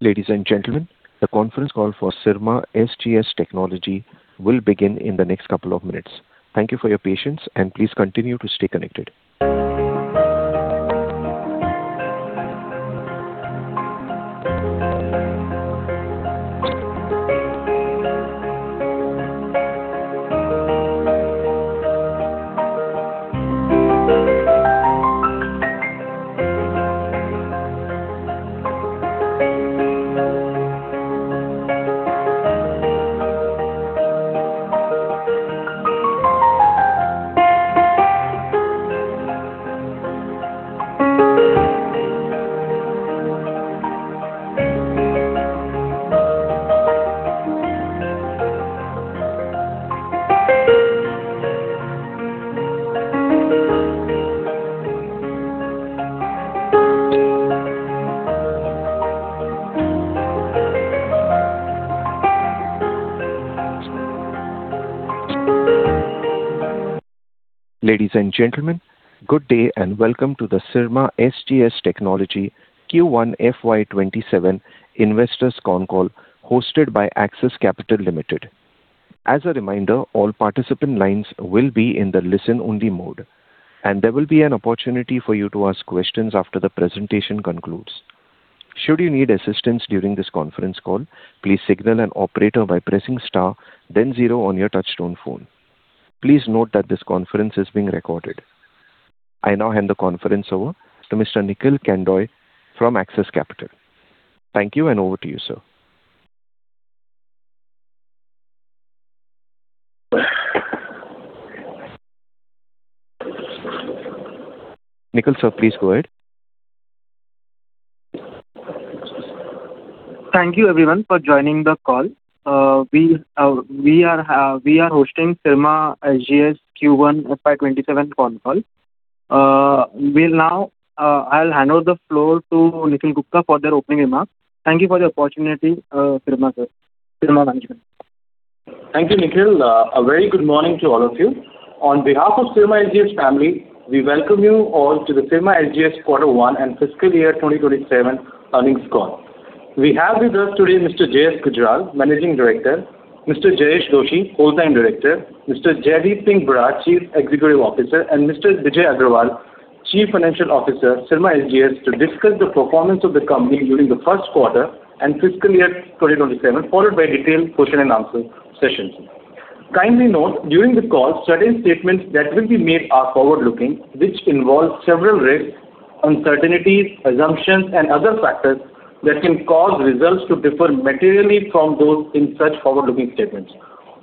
Ladies and gentlemen, the conference call for Syrma SGS Technology will begin in the next couple of minutes. Thank you for your patience, and please continue to stay connected. Ladies and gentlemen, good day and welcome to the Syrma SGS Technology Q1 FY 2027 investors' con call hosted by Axis Capital Limited. As a reminder, all participant lines will be in the listen-only mode, and there will be an opportunity for you to ask questions after the presentation concludes. Should you need assistance during this conference call, please signal an operator by pressing star then zero on your touchtone phone. Please note that this conference is being recorded. I now hand the conference over to Mr. Nikhil Kandoi from Axis Capital. Thank you. Over to you, sir. Nikhil, sir, please go ahead. Thank you everyone for joining the call. We are hosting Syrma SGS Q1 FY 2027 con call. I will hand over the floor to Nikhil Gupta for the opening remarks. Thank you for the opportunity, Syrma management. Thank you, Nikhil. A very good morning to all of you. On behalf of Syrma SGS family, we welcome you all to the Syrma SGS Quarter One and Fiscal Year 2027 earnings call. We have with us today Mr. J.S. Gujral, Managing Director, Mr. Jayesh Doshi, Whole-time Director, Mr. Jaidit Singh Brar, Chief Executive Officer, and Mr. Bijay Agrawal, Chief Financial Officer, Syrma SGS to discuss the performance of the company during the first quarter and fiscal year 2027, followed by detailed question and answer sessions. Kindly note, during the call, certain statements that will be made are forward-looking, which involve several risks, uncertainties, assumptions, and other factors that can cause results to differ materially from those in such forward-looking statements.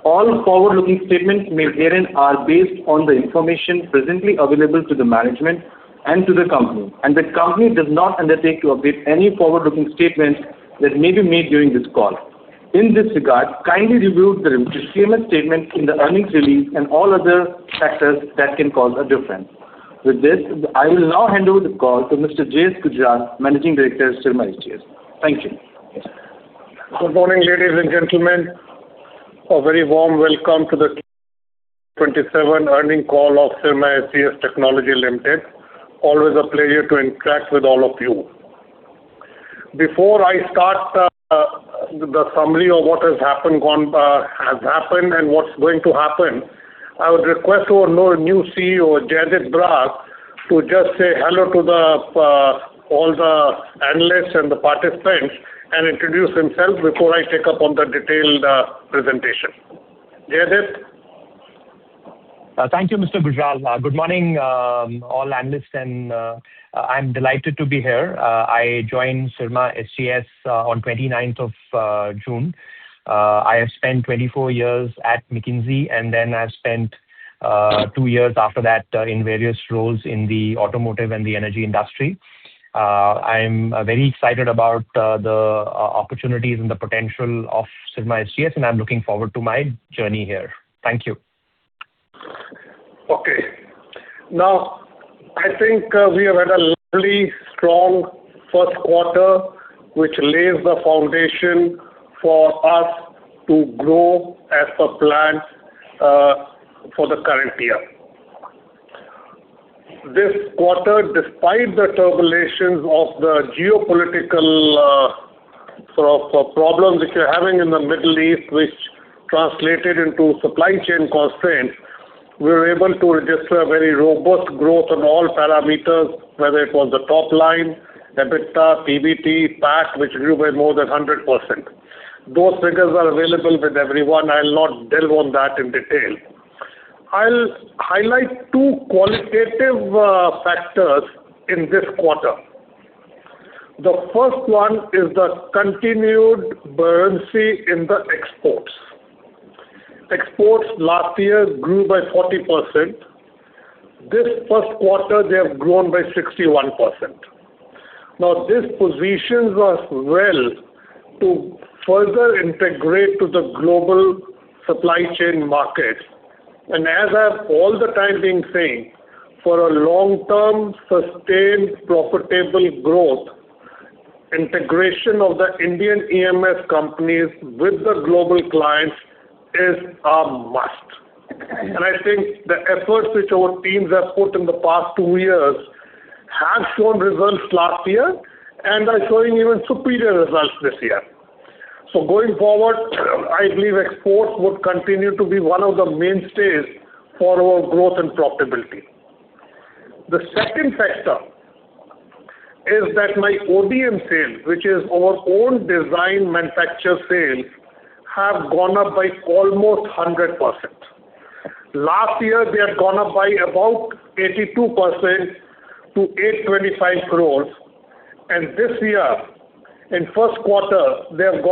All forward-looking statements made herein are based on the information presently available to the management and to the company. The company does not undertake to update any forward-looking statement that may be made during this call. In this regard, kindly review the foremost statement in the earnings release and all other factors that can cause a difference. With this, I will now hand over the call to Mr. J.S. Gujral, Managing Director of Syrma SGS. Thank you. Good morning, ladies and gentlemen. A very warm welcome to the FY 2027 earning call of Syrma SGS Technology Limited. Always a pleasure to interact with all of you. Before I start the summary of what has happened and what's going to happen, I would request our new CEO, Jaidit Brar, to just say hello to all the analysts and the participants and introduce himself before I take up on the detailed presentation. Jaidit? Thank you, Mr Gujral. Good morning, all analysts. I'm delighted to be here. I joined Syrma SGS on 29th of June. I have spent 24 years at McKinsey. I've spent two years after that in various roles in the automotive and the energy industry. I'm very excited about the opportunities and the potential of Syrma SGS. I'm looking forward to my journey here. Thank you. I think we have had a really strong first quarter, which lays the foundation for us to grow as per plan for the current year. This quarter, despite the turbulences of the geopolitical problems which we're having in the Middle East, which translated into supply chain constraints, we were able to register a very robust growth on all parameters, whether it was the top line, EBITDA, PBT, PAT, which grew by more than 100%. Those figures are available with everyone. I'll not delve on that in detail. I'll highlight two qualitative factors in this quarter. The first one is the continued buoyancy in the exports. Exports last year grew by 40%. This first quarter, they have grown by 61%. This positions us well to further integrate to the global supply chain markets. As I've all the time been saying, for a long-term, sustained, profitable growth, integration of the Indian EMS companies with the global clients is a must. I think the efforts which our teams have put in the past two years have shown results last year and are showing even superior results this year. Going forward, I believe exports would continue to be one of the mainstays for our growth and profitability. The second factor is that my ODM sales, which is our own design manufacture sales, have gone up by almost 100%. Last year, they had gone up by about 82% to 825 crores. This year, in first quarter, they have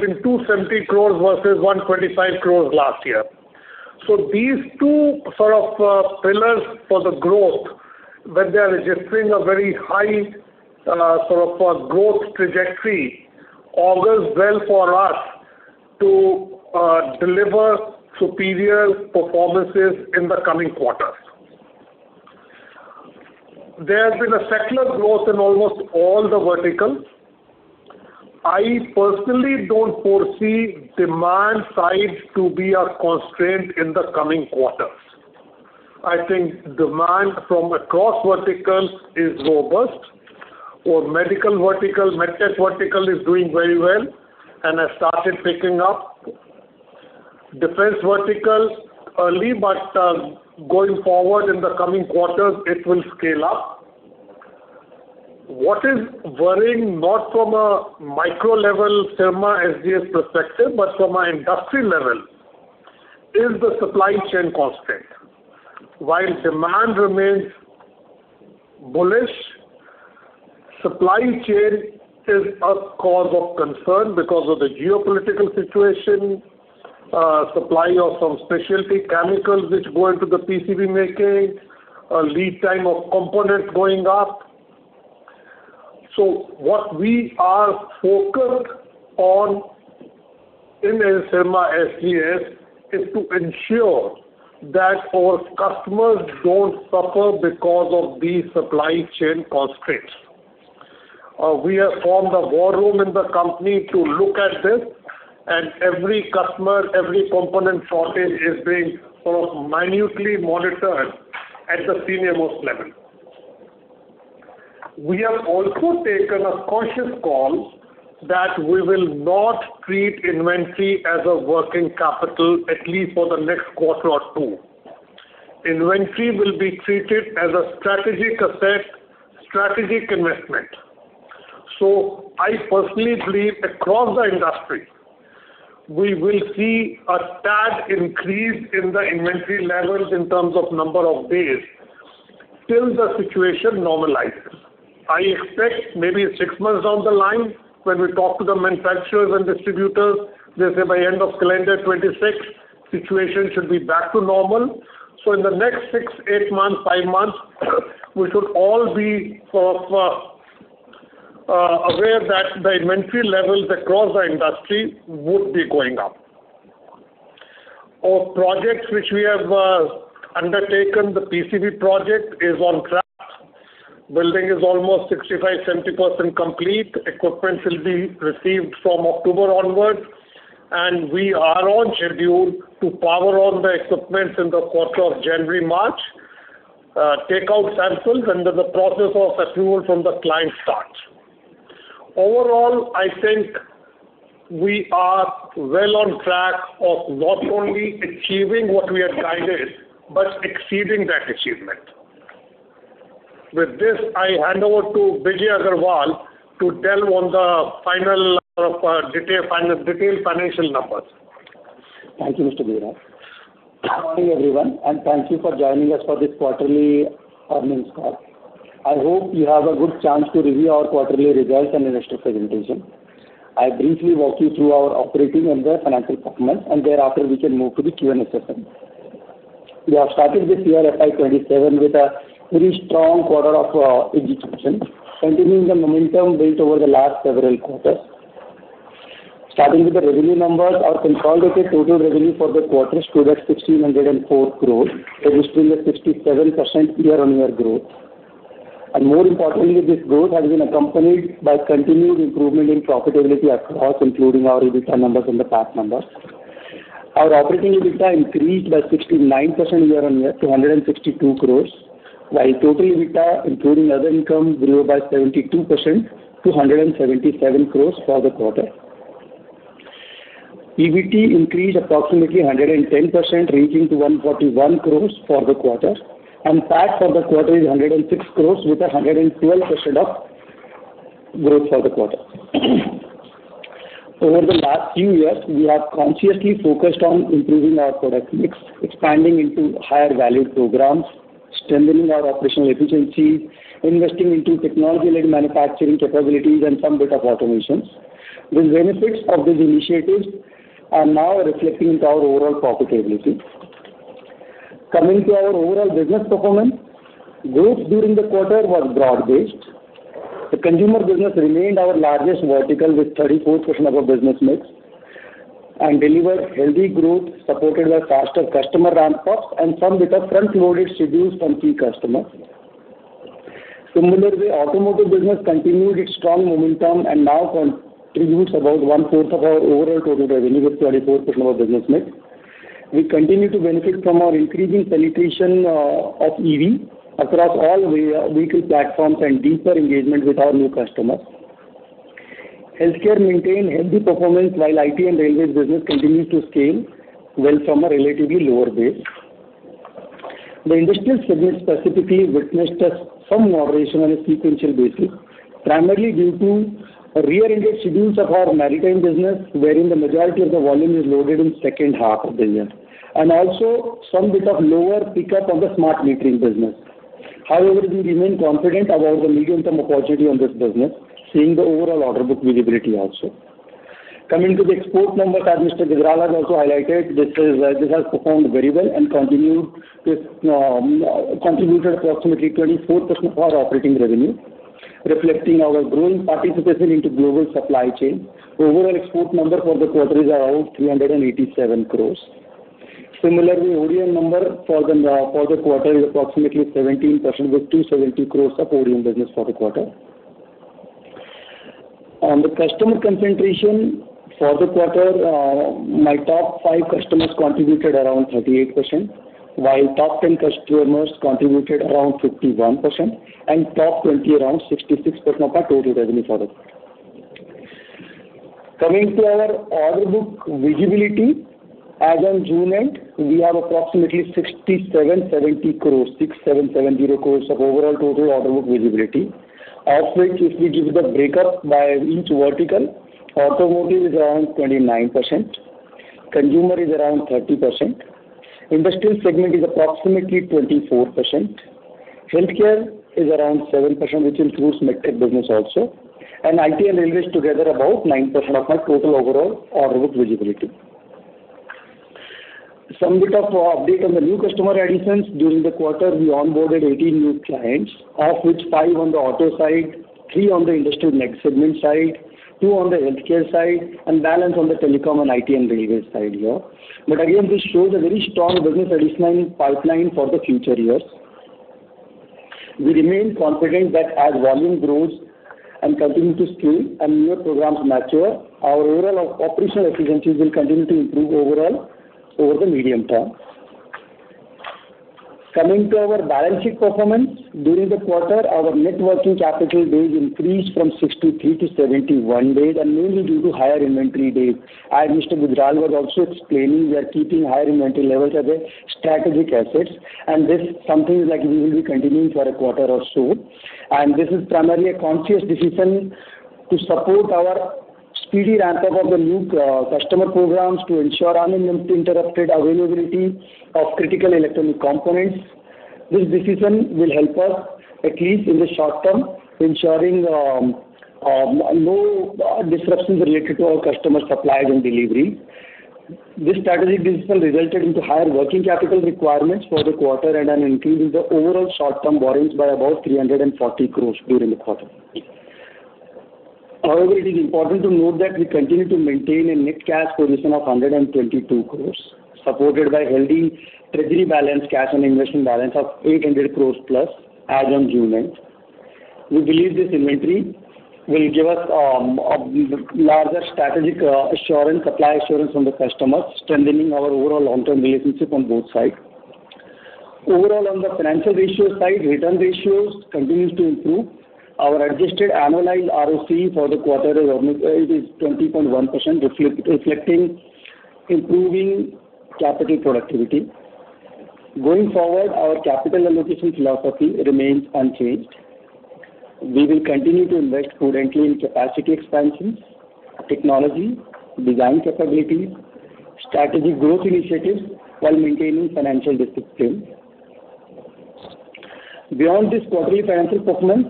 been 270 crores versus 125 crores last year. These two pillars for the growth, when they are registering a very high growth trajectory, augurs well for us to deliver superior performances in the coming quarters. There's been a secular growth in almost all the verticals. I personally don't foresee demand side to be a constraint in the coming quarters. I think demand from across verticals is robust. Our medical vertical, MedTech vertical is doing very well and has started picking up. Defense vertical, early, but going forward in the coming quarters, it will scale up. What is worrying, not from a micro level Syrma SGS perspective, but from an industry level, is the supply chain constraint. While demand remains bullish, supply chain is a cause of concern because of the geopolitical situation, supply of some specialty chemicals which go into the PCB making, lead time of components going up. What we are focused on in Syrma SGS is to ensure that our customers don't suffer because of these supply chain constraints. We have formed a war room in the company to look at this, and every customer, every component shortage is being minutely monitored at the senior-most level. We have also taken a conscious call that we will not treat inventory as a working capital, at least for the next quarter or two. Inventory will be treated as a strategic asset, strategic investment. I personally believe across the industry, we will see a tad increase in the inventory levels in terms of number of days till the situation normalizes. I expect maybe six months down the line, when we talk to the manufacturers and distributors, they say by end of calendar 2026, situation should be back to normal. In the next six, eight months, five months, we should all be aware that the inventory levels across the industry would be going up. Our projects which we have undertaken, the PCB project is on track. Building is almost 65%, 70% complete. Equipment will be received from October onwards, and we are on schedule to power on the equipment in the quarter of January, March, take out samples and then the process of approval from the client starts. Overall, I think we are well on track of not only achieving what we had guided, but exceeding that achievement. With this, I hand over to Bijay Agrawal to delve on the detailed financial numbers. Thank you, Mr Gujral. Good morning, everyone, and thank you for joining us for this quarterly earnings call. I hope you have a good chance to review our quarterly results and investor presentation. I'll briefly walk you through our operating and the financial performance, and thereafter we can move to the Q&A session. We have started this year, FY 2027, with a very strong quarter of execution, continuing the momentum built over the last several quarters. Starting with the revenue numbers, our consolidated total revenue for the quarter stood at 1,604 crores, registering a 67% year-over-year growth. More importantly, this growth has been accompanied by continued improvement in profitability across, including our EBITDA numbers and the PAT numbers. Our operating EBITDA increased by 69% year-over-year to 162 crores, while total EBITDA, including other income, grew by 72% to 177 crores for the quarter. EBT increased approximately 110%, reaching to 141 crores for the quarter. PAT for the quarter is 106 crores with a 112% growth for the quarter. Over the last few years, we have consciously focused on improving our product mix, expanding into higher value programs, strengthening our operational efficiency, investing into technology-led manufacturing capabilities, and some bit of automations. The benefits of these initiatives are now reflecting into our overall profitability. Coming to our overall business performance, growth during the quarter was broad-based. The consumer business remained our largest vertical with 34% of our business mix and delivered healthy growth supported by faster customer ramp-ups and some bit of front-loaded schedules from key customers. Automotive business continued its strong momentum and now contributes about one-fourth of our overall total revenue, that's 24% of our business mix. We continue to benefit from our increasing penetration of EV across all vehicle platforms and deeper engagement with our new customers. Healthcare maintained healthy performance while IT and railway business continued to scale well from a relatively lower base. The industrial segment specifically witnessed some moderation on a sequential basis, primarily due to a rear-ended schedule of our maritime business, wherein the majority of the volume is loaded in second half of the year, and also some bit of lower pickup of the smart metering business. We remain confident about the medium-term opportunity on this business, seeing the overall order book visibility also. Coming to the export numbers, as Mr Gujral has also highlighted, this has performed very well and contributed approximately 24% of our operating revenue, reflecting our growing participation into global supply chain. Overall export number for the quarter is around 387 crores. OEM number for the quarter is approximately 17%, with 270 crores of OEM business for the quarter. On the customer concentration for the quarter, my top five customers contributed around 38%, while top 10 customers contributed around 51%, and top 20 around 66% of our total revenue for the quarter. Coming to our order book visibility, as on June-end, we have approximately 6,770 crores of overall total order book visibility. Of which, if we give the breakup by each vertical, automotive is around 29%, consumer is around 30%, industrial segment is approximately 24%, healthcare is around 7%, which includes MedTech business also, and IT and railways together about 9% of our total overall order book visibility. Some bit of update on the new customer additions. During the quarter, we onboarded 18 new clients, of which five on the auto side, three on the industrial segment side, two on the healthcare side, and balance on the telecom and IT and railway side here. This shows a very strong business addition pipeline for the future years. We remain confident that as volume grows and continue to scale and newer programs mature, our overall operational efficiencies will continue to improve overall over the medium term. Coming to our balance sheet performance. During the quarter, our net working capital days increased from 63-71 days, and mainly due to higher inventory days. As Mr. Gujral was also explaining, we are keeping higher inventory levels as a strategic assets, and this is something that we will be continuing for a quarter or so. This is primarily a conscious decision to support our speedy ramp-up of the new customer programs to ensure uninterrupted availability of critical electronic components. This decision will help us, at least in the short term, ensuring low disruptions related to our customer supplies and delivery. This strategic decision resulted into higher working capital requirements for the quarter and an increase in the overall short-term borrowings by about 340 crores during the quarter. However, it is important to note that we continue to maintain a net cash position of 122 crores, supported by healthy treasury balance, cash and investment balance of 800 crores plus as on June end. We believe this inventory will give us a larger strategic supply assurance from the customers, strengthening our overall long-term relationship on both sides. Overall, on the financial ratio side, return ratios continues to improve. Our adjusted annualized ROC for the quarter is 20.1%, reflecting improving capital productivity. Going forward, our capital allocation philosophy remains unchanged. We will continue to invest prudently in capacity expansions, technology, design capabilities, strategic growth initiatives while maintaining financial discipline. Beyond this quarterly financial performance,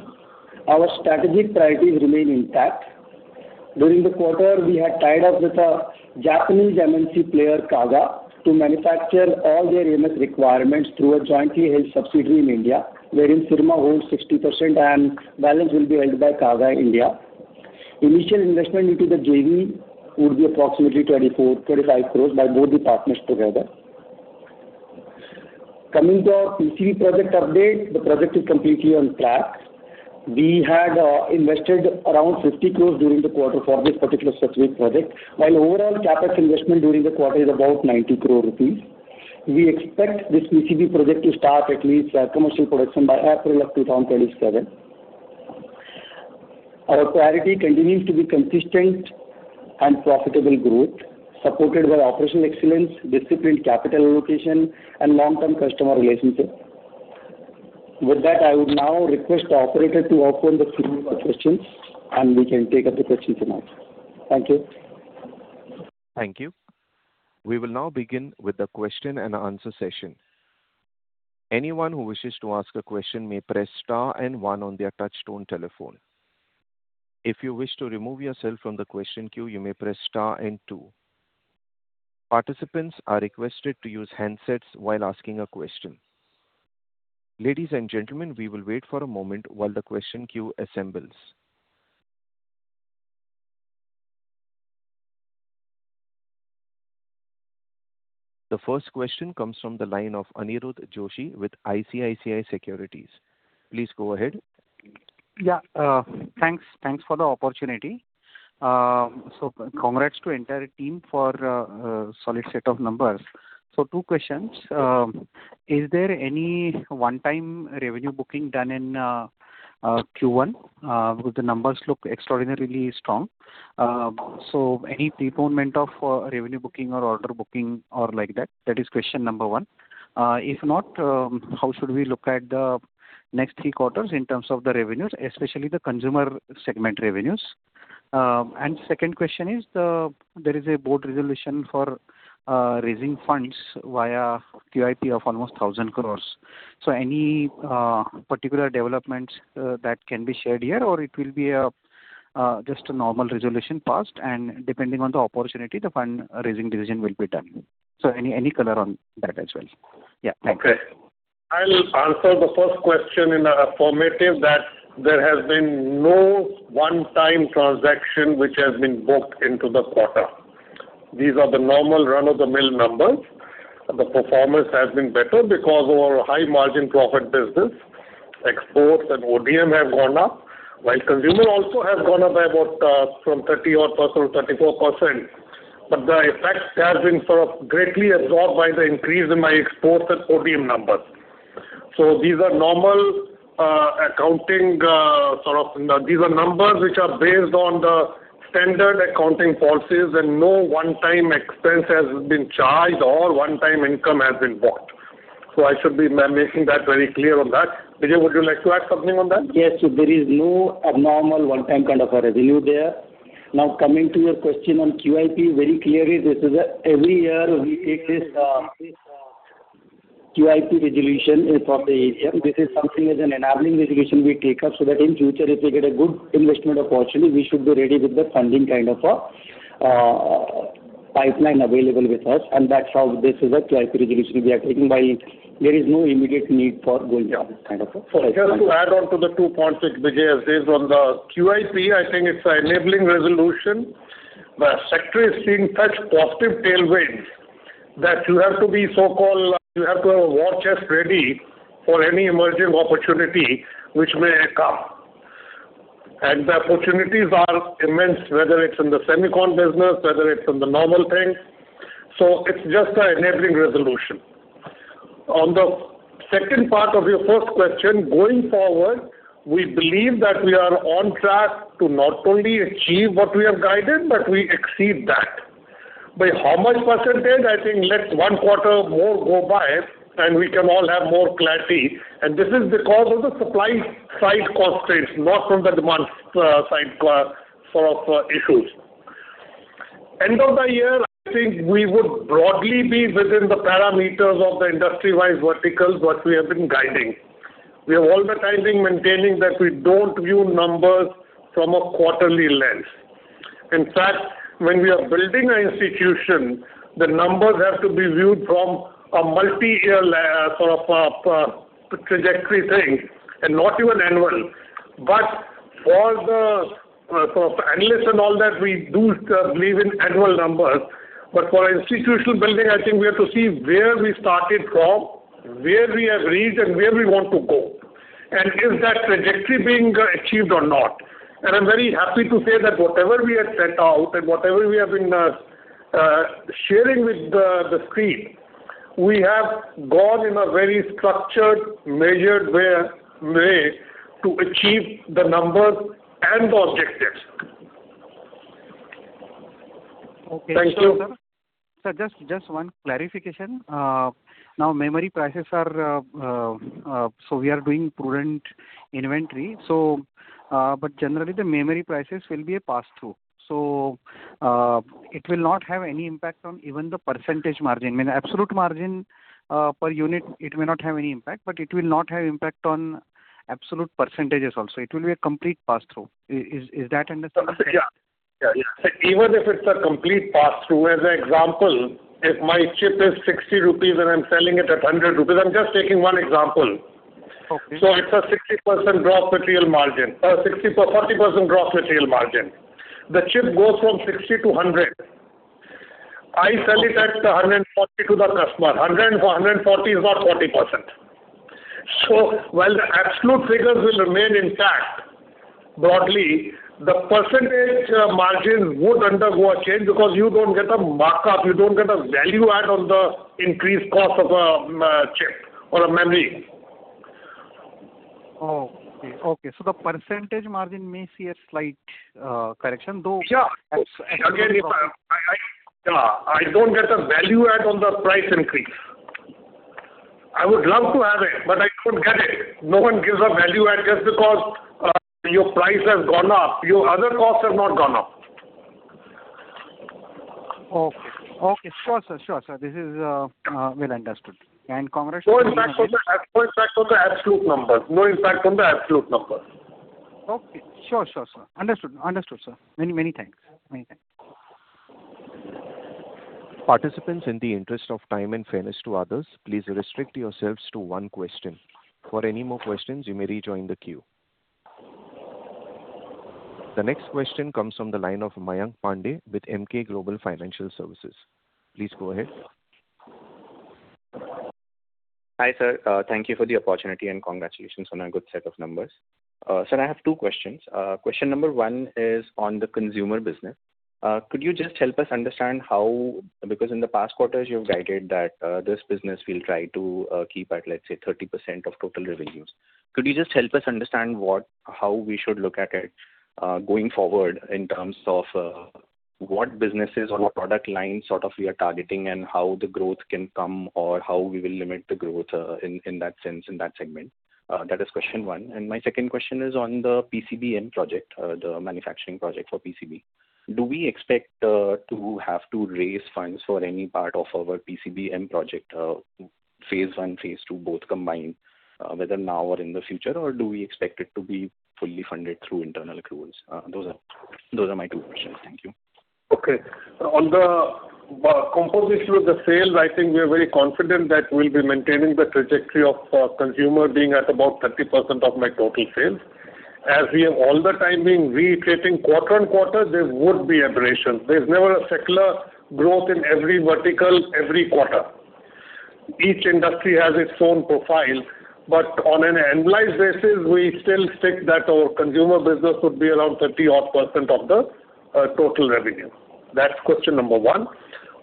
our strategic priorities remain intact. During the quarter, we had tied up with a Japanese MNC player, Kaga, to manufacture all their EMS requirements through a jointly held subsidiary in India, wherein Syrma holds 60% and balance will be held by Kaga India. Initial investment into the JV would be approximately 24-25 crores by both the partners together. Coming to our PCB project update, the project is completely on track. We had invested around 50 crores during the quarter for this particular strategic project, while overall CapEx investment during the quarter is about 90 crores rupees. We expect this PCB project to start at least commercial production by April of 2027. Our priority continues to be consistent and profitable growth, supported by operational excellence, disciplined capital allocation, and long-term customer relationship. With that, I would now request the operator to open the floor for questions, and we can take up the questions and answers. Thank you. Thank you. We will now begin with the question-and-answer session. Anyone who wishes to ask a question may press star and one on their touchtone telephone. If you wish to remove yourself from the question queue, you may press star and two. Participants are requested to use handsets while asking a question. Ladies and gentlemen, we will wait for a moment while the question queue assembles. The first question comes from the line of Aniruddha Joshi with ICICI Securities. Please go ahead. Thanks for the opportunity. Congrats to entire team for a solid set of numbers. Two questions. Is there any one-time revenue booking done in Q1? Because the numbers look extraordinarily strong. Any postponement of revenue booking or order booking or like that? That is question number one. If not, how should we look at the next three quarters in terms of the revenues, especially the consumer segment revenues? Second question is, there is a board resolution for raising funds via QIP of almost 1,000 crores. Any particular developments that can be shared here, or it will be just a normal resolution passed and depending on the opportunity, the fund-raising decision will be done. Any color on that as well? Thanks. I'll answer the first question in affirmative that there has been no one-time transaction which has been booked into the quarter. These are the normal run-of-the-mill numbers. The performance has been better because of our high margin profit business. Exports and ODM have gone up, while consumer also has gone up by about from 30-odd % or 34%. The effect has been sort of greatly absorbed by the increase in my exports and ODM numbers. These are numbers which are based on the standard accounting policies, and no one-time expense has been charged or one-time income has been booked. I should be making that very clear on that. Bijay, would you like to add something on that? Yes, there is no abnormal one-time kind of a revenue there. Coming to your question on QIP, very clearly, this is every year we take this QIP resolution from the AGM. This is something as an enabling resolution we take up so that in future, if we get a good investment opportunity, we should be ready with the funding kind of a pipeline available with us, and that's how this is a QIP resolution we are taking. While there is no immediate need for going out, that kind of a- Just to add on to the two points which Bijay has raised. On the QIP, I think it's an enabling resolution. The sector is seeing such positive tailwinds that you have to have a war chest ready for any emerging opportunity which may come. The opportunities are immense, whether it's in the semicon business, whether it's in the normal things. It's just an enabling resolution. On the second part of your first question, going forward, we believe that we are on track to not only achieve what we have guided, but we exceed that. By how much percentage, I think let one quarter more go by, and we can all have more clarity, and this is because of the supply side constraints, not from the demand side sort of issues. End of the year, I think we would broadly be within the parameters of the industry-wise verticals what we have been guiding. We are all the time maintaining that we don't view numbers from a quarterly lens. In fact, when we are building an institution, the numbers have to be viewed from a multi-year sort of trajectory thing, and not even annual. For the analysts and all that, we do believe in annual numbers. For institutional building, I think we have to see where we started from, where we have reached, and where we want to go, and is that trajectory being achieved or not. I'm very happy to say that whatever we have set out and whatever we have been sharing with the street, we have gone in a very structured, measured way to achieve the numbers and the objectives. Okay. Thank you. Sir, just one clarification. We are doing prudent inventory. Generally, the memory prices will be a passthrough. It will not have any impact on even the percentage margin. Absolute margin per unit, it may not have any impact, but it will not have impact on absolute percentages also. It will be a complete passthrough. Is that understood? Yeah. Even if it's a complete passthrough, as an example, if my chip is 60 rupees and I'm selling it at 100 rupees, I'm just taking one example. Okay. It's a 40% gross material margin. The chip goes from 60-100. I sell it at 140 to the customer. 100, 140 is what, 40%. While the absolute figures will remain intact, broadly, the percentage margin would undergo a change because you don't get a markup, you don't get a value add on the increased cost of a chip or a memory. Okay. The percentage margin may see a slight correction, though. Yeah, of course. Again, I don't get a value add on the price increase. I would love to have it, I don't get it. No one gives a value add just because your price has gone up. Your other costs have not gone up. Okay. Sure, sir. This is well understood. Congrats. No impact on the absolute numbers. Okay, sure, sir. Understood, sir. Many thanks. Participants, in the interest of time and fairness to others, please restrict yourselves to one question. For any more questions, you may rejoin the queue. The next question comes from the line of Mayank Pandey with Emkay Global Financial Services. Please go ahead. Hi, sir. Thank you for the opportunity, and congratulations on a good set of numbers. Sir, I have two questions. Question number one is on the consumer business. Could you just help us understand how in the past quarters, you've guided that this business will try to keep at, let's say, 30% of total revenues. Could you just help us understand how we should look at it going forward in terms of what businesses or what product lines you are targeting, and how the growth can come or how we will limit the growth in that sense, in that segment? That is question one. My second question is on the PCB project, the manufacturing project for PCB. Do we expect to have to raise funds for any part of our PCB project, Phase I, Phase II, both combined, whether now or in the future, or do we expect it to be fully funded through internal accruals? Those are my two questions. Thank you. On the composition of the sales, I think we are very confident that we'll be maintaining the trajectory of consumer being at about 30% of my total sales. As we have all the time been reiterating quarter-on-quarter, there would be aberrations. There's never a secular growth in every vertical, every quarter. Each industry has its own profile, but on an annualized basis, we still stick that our consumer business would be around 30% odd of the total revenue. That's question number one.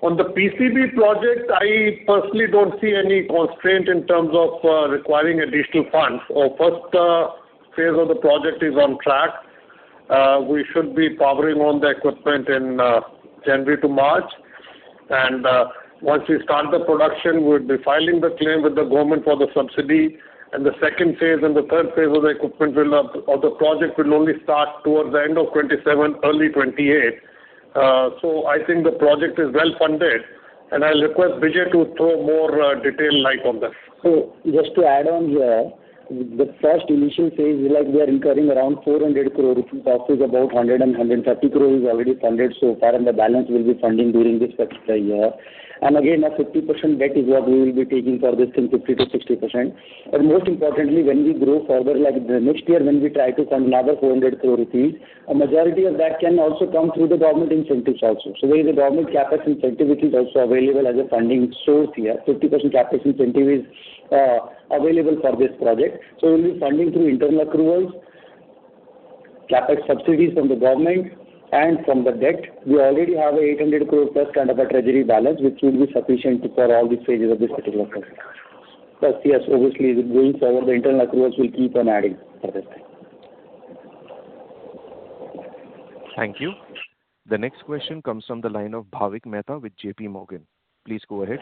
On the PCB project, I personally don't see any constraint in terms of requiring additional funds. Our Phase I of the project is on track. We should be powering on the equipment in January to March. Once we start the production, we'll be filing the claim with the government for the subsidy. The second phase and the third phase of the project will only start towards the end of 2027, early 2028. I think the project is well-funded, and I'll request Bijay to throw more detailed light on this. Just to add on here, the Phase III, we are incurring around 400 crores rupees. In fact, about 100 crores and 150 crores is already funded so far, and the balance will be funding during this particular year. Again, a 50% debt is what we will be taking for this, between 50%-60%. Most importantly, when we grow further, like next year when we try to fund another 400 crores rupees, a majority of that can also come through the government incentives also. There is a government CapEx incentive which is also available as a funding source here. 50% CapEx incentive is available for this project. We'll be funding through internal accruals, CapEx subsidies from the government, and from the debt. We already have a INR. 800 crore plus kind of a treasury balance, which will be sufficient for all the phases of this particular project. Yes, obviously, going forward, the internal accruals will keep on adding for this thing. Thank you. The next question comes from the line of Bhavik Mehta with JPMorgan. Please go ahead.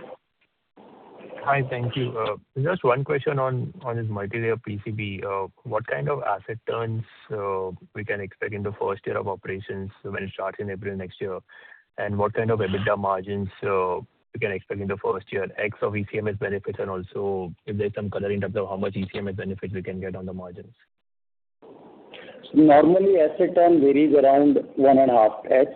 Hi. Thank you. Just one question on this multilayer PCB. What kind of asset turns we can expect in the first year of operations when it starts in April next year? What kind of EBITDA margins we can expect in the first year, X of ECMS benefits, and also if there's some color in terms of how much ECMS benefits we can get on the margins. Normally, asset turn varies around 1.5x.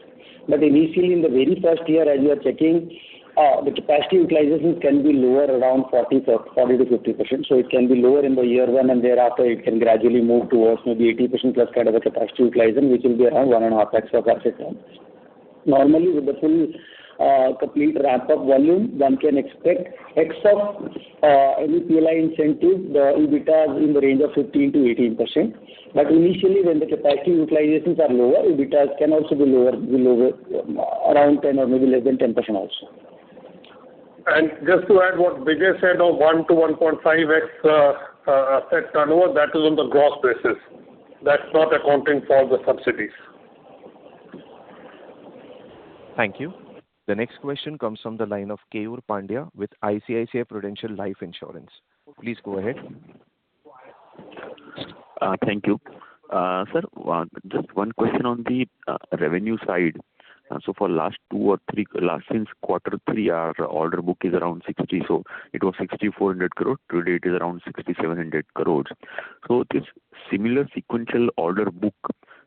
Initially, in the very first year, as you are checking, the capacity utilization can be lower, around 40%-50%. It can be lower in the year one, and thereafter, it can gradually move towards maybe 80%+ kind of a capacity utilization, which will be around 1.5x of asset turns. Normally, with the full complete ramp-up volume, one can expect X of any PLI incentive, the EBITDA is in the range of 15%-18%. Initially, when the capacity utilizations are lower, EBITDA can also be lower, around 10% or maybe less than 10% also. Just to add what Bijay said of 1x to 1.5x asset turnover, that is on the gross basis. That's not accounting for the subsidies. Thank you. The next question comes from the line of Keyur Pandya with ICICI Prudential Life Insurance. Please go ahead. Thank you. Sir, just one question on the revenue side. For last two or three, since quarter three, our order book is around 60. It was 6,400 crores. Today, it is around 6,700 crores. This similar sequential order book,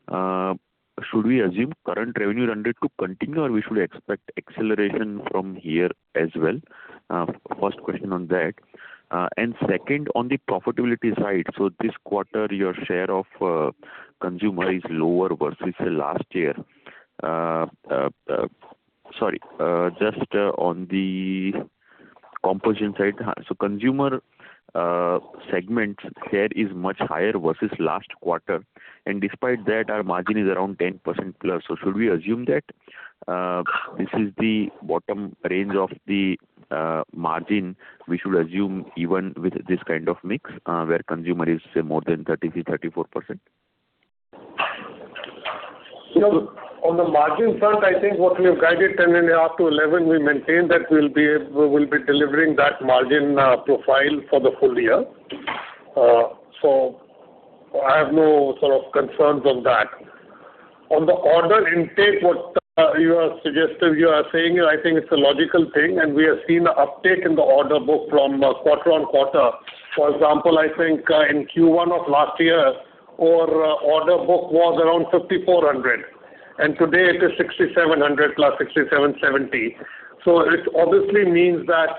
should we assume current revenue run rate to continue, or we should expect acceleration from here as well? First question on that. Second, on the profitability side, this quarter, your share of consumer is lower versus last year. Sorry, just on the composition side. Consumer segment share is much higher versus last quarter. Despite that, our margin is around 10%+. Should we assume that this is the bottom range of the margin we should assume even with this kind of mix, where consumer is, say, more than 33%, 34%? On the margin front, I think what we have guided 10.5%-11%, we maintain that we'll be delivering that margin profile for the full year. I have no sort of concerns on that. On the order intake, what you are suggesting, you are saying, I think it's a logical thing, and we have seen an uptick in the order book from quarter on quarter. For example, I think in Q1 of last year, our order book was around 5,400. Today it is 6,700+, 67/70. It obviously means that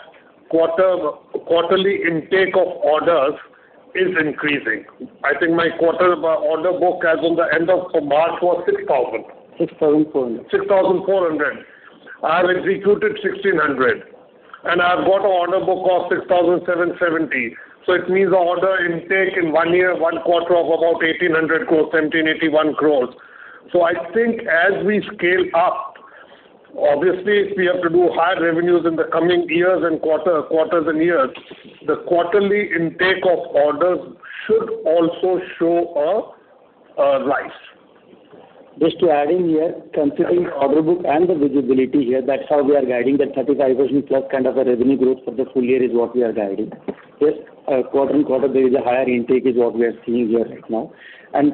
quarterly intake of orders is increasing. I think my quarter order book as on the end of March was 6,000. 6,400. 6,400. I have executed 1,600. I've got an order book of 6,770. It means the order intake in one year, one quarter of about 1,800 crore, 1,781 crore. I think as we scale up, obviously, if we have to do higher revenues in the coming quarters and years, the quarterly intake of orders should also show a rise. Just to add in here, considering the order book and the visibility here, that's how we are guiding that 35%+ kind of a revenue growth for the full year is what we are guiding. Yes. Quarter-on-quarter, there is a higher intake is what we are seeing here right now.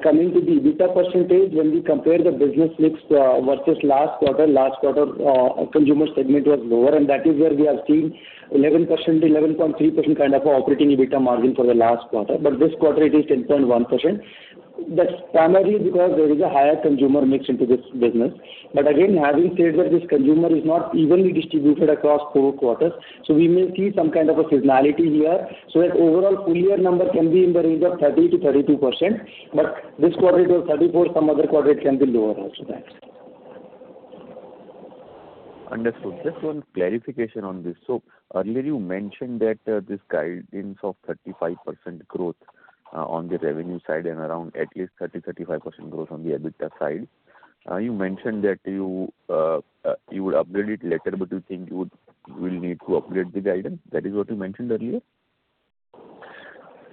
Coming to the EBITDA percentage, when we compare the business mix versus last quarter, last quarter consumer segment was lower, and that is where we have seen 11%, 11.3% kind of operating EBITDA margin for the last quarter, but this quarter it is 10.1%. That's primarily because there is a higher consumer mix into this business. Again, having said that, this consumer is not evenly distributed across four quarters, so we may see some kind of a seasonality here. That overall full year number can be in the range of 30%-32%, but this quarter it was 34%, some other quarter it can be lower also. Understood. Just one clarification on this. Earlier you mentioned that this guidance of 35% growth on the revenue side and around at least 30%, 35% growth on the EBITDA side. You mentioned that you would update it later, but you think you will need to update the guidance. That is what you mentioned earlier?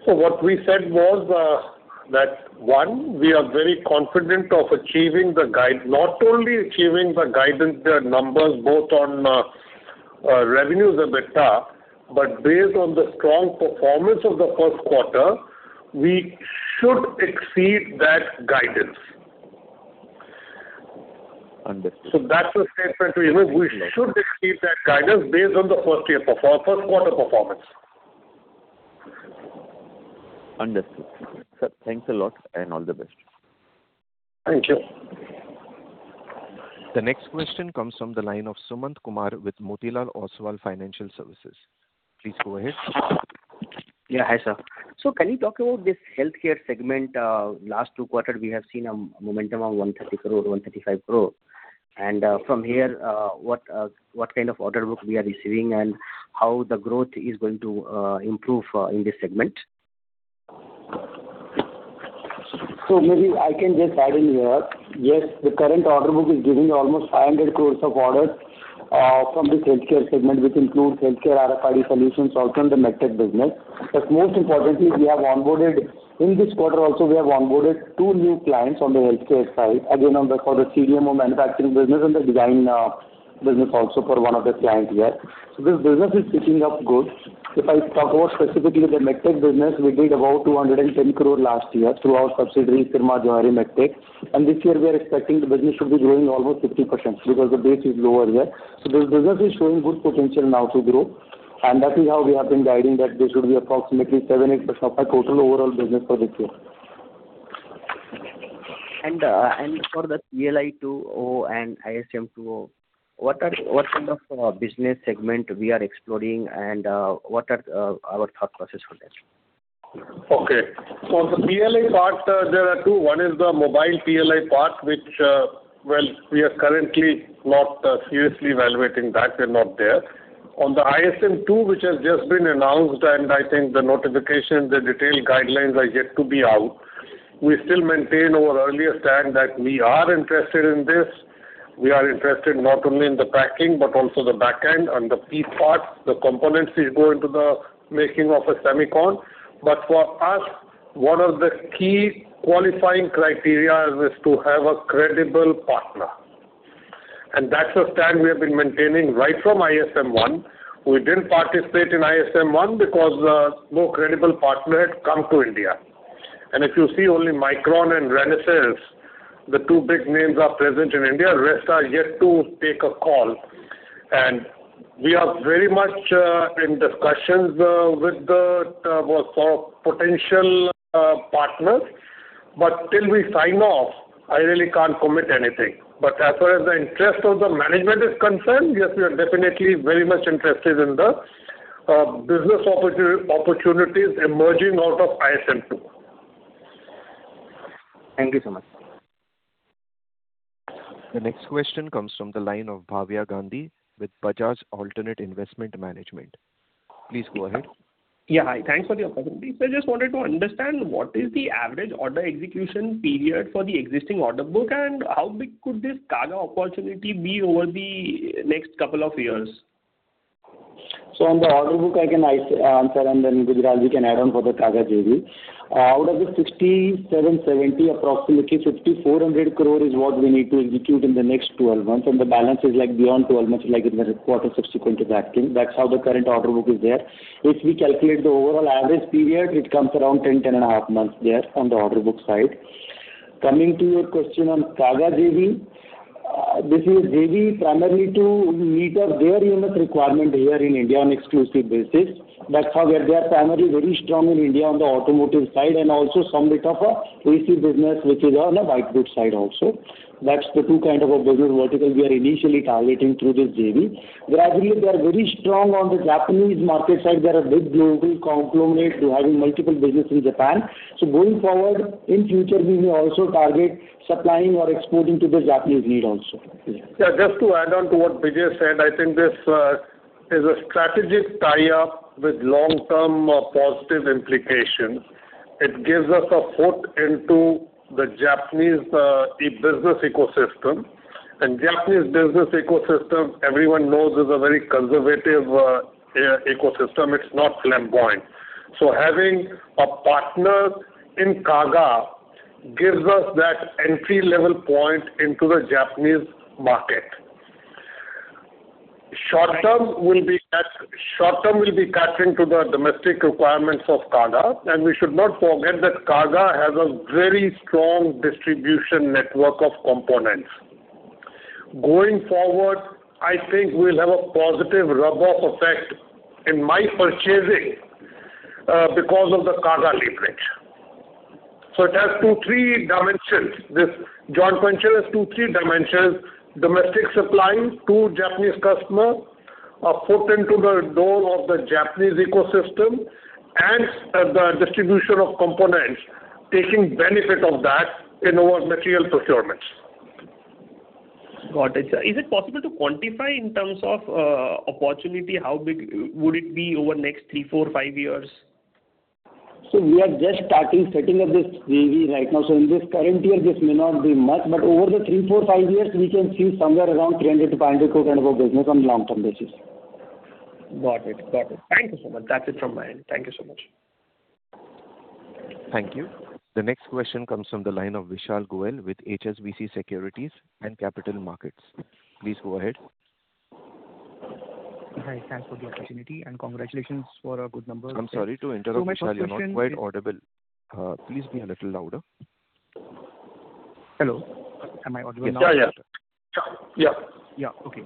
What we said was that, one, we are very confident of achieving the guide, not only achieving the guidance, the numbers, both on revenues, EBITDA, but based on the strong performance of the first quarter, we should exceed that guidance. Understood. That's the statement we made. We should exceed that guidance based on the first quarter performance. Understood. Sir, thanks a lot, and all the best. Thank you. The next question comes from the line of Sumant Kumar with Motilal Oswal Financial Services. Please go ahead. Yeah. Hi, sir. Can you talk about this healthcare segment? Last two quarter, we have seen a momentum of 130 crore, 135 crore. From here, what kind of order book we are receiving and how the growth is going to improve in this segment? Maybe I can just add in here. Yes, the current order book is giving almost 500 crores of orders from this healthcare segment, which includes healthcare RFID solutions, also in the MedTech business. Most importantly, in this quarter also, we have onboarded two new clients on the healthcare side, again for the CDMO manufacturing business and the design business also for one of the clients here. This business is picking up good. If I talk about specifically the MedTech business, we did about 210 crore last year through our subsidiary, Syrma Johari Medtech. This year we are expecting the business should be growing almost 50% because the base is lower here. This business is showing good potential now to grow. That is how we have been guiding that this should be approximately 7%, 8% of our total overall business for this year. For the PLI 2.0 and ISM 2.0, what kind of business segment we are exploring and what are our thought process for that? Okay. For the PLI part, there are two. One is the mobile PLI part, which, well, we are currently not seriously evaluating that and not there. On the ISM 2.0, which has just been announced, I think the notification, the detailed guidelines are yet to be out. We still maintain our earlier stand that we are interested in this. We are interested not only in the packing but also the back end and the PCB parts, the components which go into the making of a semicon. For us, one of the key qualifying criteria is to have a credible partner. That's a stand we have been maintaining right from ISM 1.0. We didn't participate in ISM 1.0 because no credible partner had come to India. If you see only Micron and Renesas, the two big names are present in India, rest are yet to take a call. We are very much in discussions with the sort of potential partners. Till we sign off, I really can't commit anything. As far as the interest of the management is concerned, yes, we are definitely very much interested in the business opportunities emerging out of ISM 2.0. Thank you so much. The next question comes from the line of Bhavya Gandhi with Bajaj Alternate Investment Management. Please go ahead. Yeah. Thanks for the opportunity. I just wanted to understand what is the average order execution period for the existing order book, and how big could this Kaga opportunity be over the next couple of years? On the order book, I can answer, and then Mr. Gujral can add on for the Kaga JV. Out of the 6,770 crore, approximately 5,400 crore is what we need to execute in the next 12 months, and the balance is beyond 12 months, like in the quarter subsequent to that thing. That's how the current order book is there. If we calculate the overall average period, it comes around 10 and a half months there on the order book side. Coming to your question on Kaga JV This is a JV primarily to meet their unit requirement here in India on exclusive basis. Kaga, they are primarily very strong in India on the automotive side and also some bit of a AC business, which is on the whiteboard side also. That's the two kind of a business vertical we are initially targeting through this JV. Gradually, they are very strong on the Japanese market side. They are a big global conglomerate having multiple business in Japan. Going forward, in future, we may also target supplying or exporting to the Japanese need also. Just to add on to what Bijay said, I think this is a strategic tie-up with long-term positive implications. It gives us a foot into the Japanese e-business ecosystem, and Japanese business ecosystem, everyone knows, is a very conservative ecosystem. It's not flamboyant. Having a partner in Kaga gives us that entry-level point into the Japanese market. Short term will be catering to the domestic requirements of Kaga, and we should not forget that Kaga has a very strong distribution network of components. Going forward, I think we'll have a positive rub-off effect in my purchasing because of the Kaga leverage. It has two, three dimensions. This joint venture has two, three dimensions, domestic supplying to Japanese customer, a foot into the door of the Japanese ecosystem, and the distribution of components, taking benefit of that in our material procurements. Got it, sir. Is it possible to quantify in terms of opportunity, how big would it be over next three, four, five years? We are just starting setting up this JV right now. In this current year, this may not be much, but over the three, four, five years, we can see somewhere around 300 crore-500 crore kind of a business on long-term basis. Got it. Thank you so much. That's it from my end. Thank you so much. Thank you. The next question comes from the line of Vishal Goel with HSBC Securities and Capital Markets. Please go ahead. Hi. Thanks for the opportunity, congratulations for a good number. I'm sorry to interrupt you, Vishal. You're not quite audible. Please be a little louder. Hello. Am I audible now? Yeah. Yeah. Okay.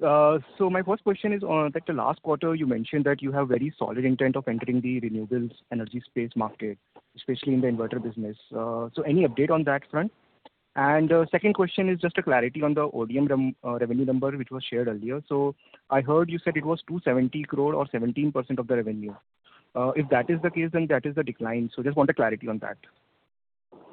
My first question is on like the last quarter, you mentioned that you have very solid intent of entering the renewables energy space market, especially in the inverter business. Any update on that front? Second question is just a clarity on the ODM revenue number, which was shared earlier. I heard you said it was 270 crore or 17% of the revenue. If that is the case, that is a decline. Just want a clarity on that.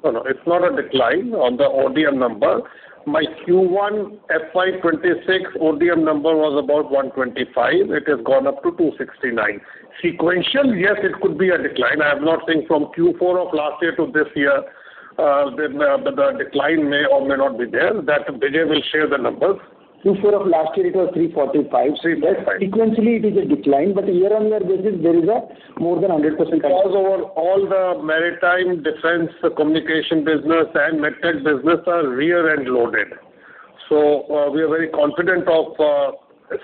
No, it's not a decline on the ODM number. My Q1 FY 2026 ODM number was about 125. It has gone up to 269. Sequential, yes, it could be a decline. I'm not saying from Q4 of last year to this year, the decline may or may not be there. Bijay will share the numbers. Q4 of last year, it was 345. 345. Yes, sequentially, it is a decline, but year-on-year basis, there is a more than 100%. Overall the maritime defense communication business and MedTech business are rear-end loaded. We are very confident of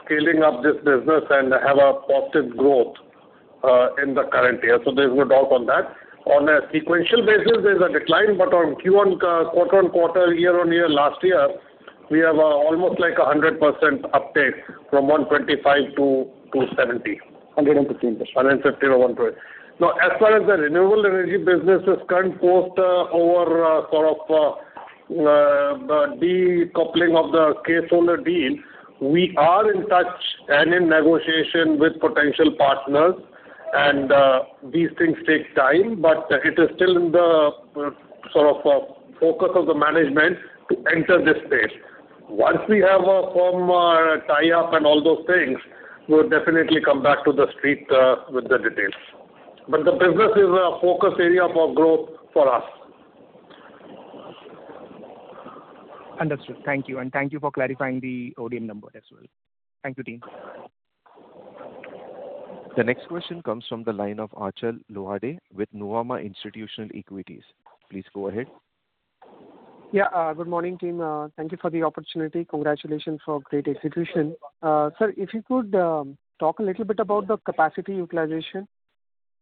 scaling up this business and have a positive growth in the current year. There's no doubt on that. On a sequential basis, there's a decline, but on quarter-on-quarter, year-on-year last year, we have almost 100% uptake from 125 to 270. 115%. 115% or 120%. As far as the renewable energy business is concerned, post our decoupling of the KSolare deal, we are in touch and in negotiation with potential partners, and these things take time, but it is still in the focus of the management to enter this space. Once we have a firm tie-up and all those things, we'll definitely come back to the street with the details. The business is a focus area for growth for us. Understood. Thank you. Thank you for clarifying the ODM number as well. Thank you, team. The next question comes from the line of Achal Lohade with Nuvama Institutional Equities. Please go ahead. Good morning, team. Thank you for the opportunity. Congratulations for great execution. Sir, if you could talk a little bit about the capacity utilization.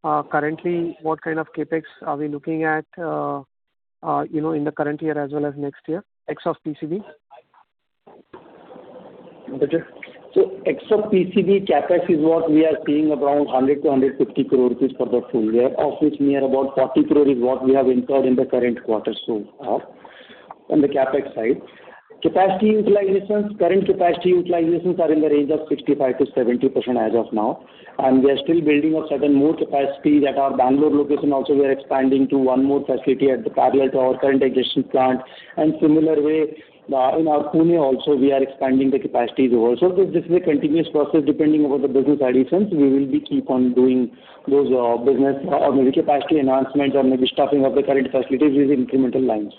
Currently, what kind of CapEx are we looking at in the current year as well as next year, ex of PCB? Ex of PCB, CapEx is what we are seeing around 100 crore-150 crore rupees for the full year, of which near about 40 crore is what we have incurred in the current quarter so far on the CapEx side. Capacity utilizations. Current capacity utilizations are in the range of 65%-70% as of now, and we are still building a certain more capacity at our Bangalore location also. We are expanding to one more facility parallel to our current existing plant. Similar way, in our Pune also, we are expanding the capacities over. This is a continuous process depending over the business additions. We will be keep on doing those business or maybe capacity enhancements or maybe stuffing of the current facilities with incremental lines.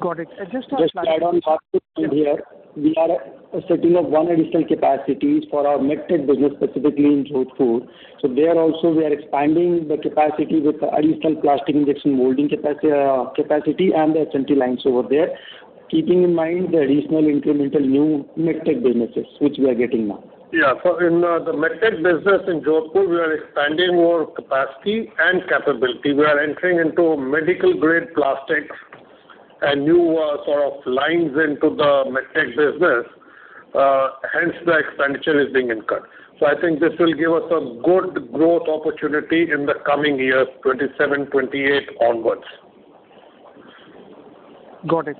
Got it. To add on here, we are setting up one additional capacity for our Medtech business, specifically in Jodhpur. There also, we are expanding the capacity with additional plastic injection molding capacity and the SMT lines over there. Keeping in mind the additional incremental new Medtech businesses which we are getting now. Yeah. In the Medtech business in Jodhpur, we are expanding our capacity and capability. We are entering into medical-grade plastics. New sort of lines into the Medtech business, hence the expenditure is being incurred. I think this will give us a good growth opportunity in the coming years, 2027, 2028 onwards. Got it.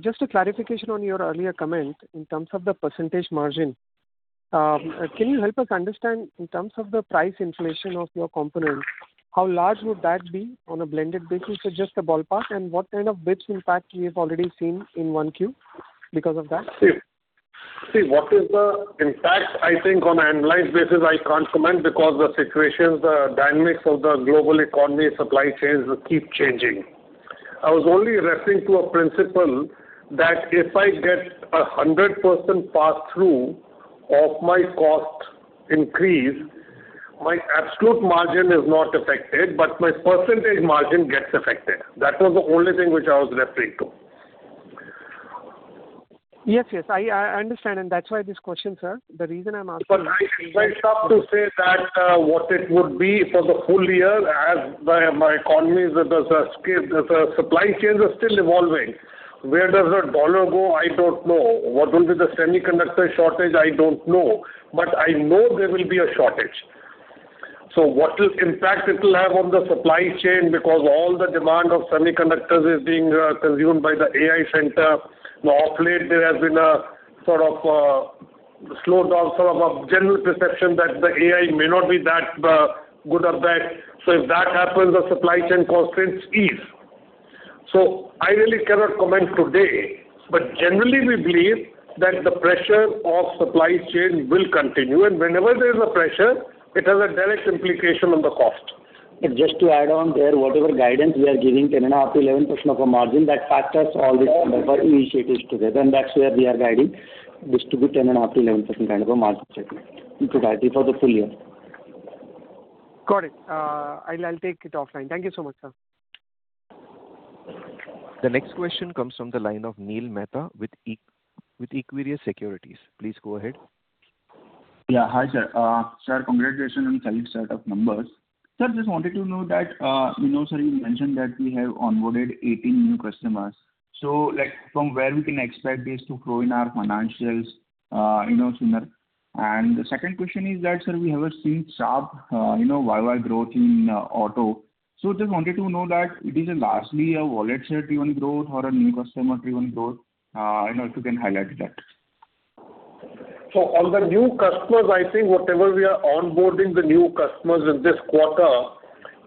Just a clarification on your earlier comment in terms of the percentage margin. Can you help us understand in terms of the price inflation of your components, how large would that be on a blended basis? Just a ballpark, and what kind of bits impact we have already seen in 1Q because of that? See, what is the impact, I think on an annualized basis, I can't comment because the situations, the dynamics of the global economy, supply chains keep changing. I was only referring to a principle that if I get 100% pass-through of my cost increase, my absolute margin is not affected, but my percentage margin gets affected. That was the only thing which I was referring to. Yes. I understand, that's why this question, sir. The reason I'm asking- I can't start to say that what it would be for the full year as my economies, the supply chains are still evolving. Where does the U.S. dollar go? I don't know. What will be the semiconductor shortage? I don't know. I know there will be a shortage. What impact it'll have on the supply chain because all the demand of semiconductors is being consumed by the AI center. Of late, there has been a sort of a slowdown, sort of a general perception that the AI may not be that good or bad. If that happens, the supply chain constraints ease. I really cannot comment today, generally we believe that the pressure of supply chain will continue. Whenever there is a pressure, it has a direct implication on the cost. Just to add on there, whatever guidance we are giving, 10.5%-11% of a margin, that factors all this initiatives together. That's where we are guiding this to be 10.5% to 11% kind of a margin entirely for the full year. Got it. I'll take it offline. Thank you so much, sir. The next question comes from the line of Neel Mehta with Equirus Securities. Please go ahead. Yeah. Hi, sir. Sir, congratulations on the set of numbers. Sir, just wanted to know that, we know, sir, you mentioned that we have onboarded 18 new customers. From where we can expect this to grow in our financials sooner? The second question is that, sir, we have seen sharp Y-Y growth in auto. Just wanted to know that it is largely a wallet share driven growth or a new customer driven growth. Also if you can highlight that. On the new customers, I think whatever we are onboarding the new customers in this quarter,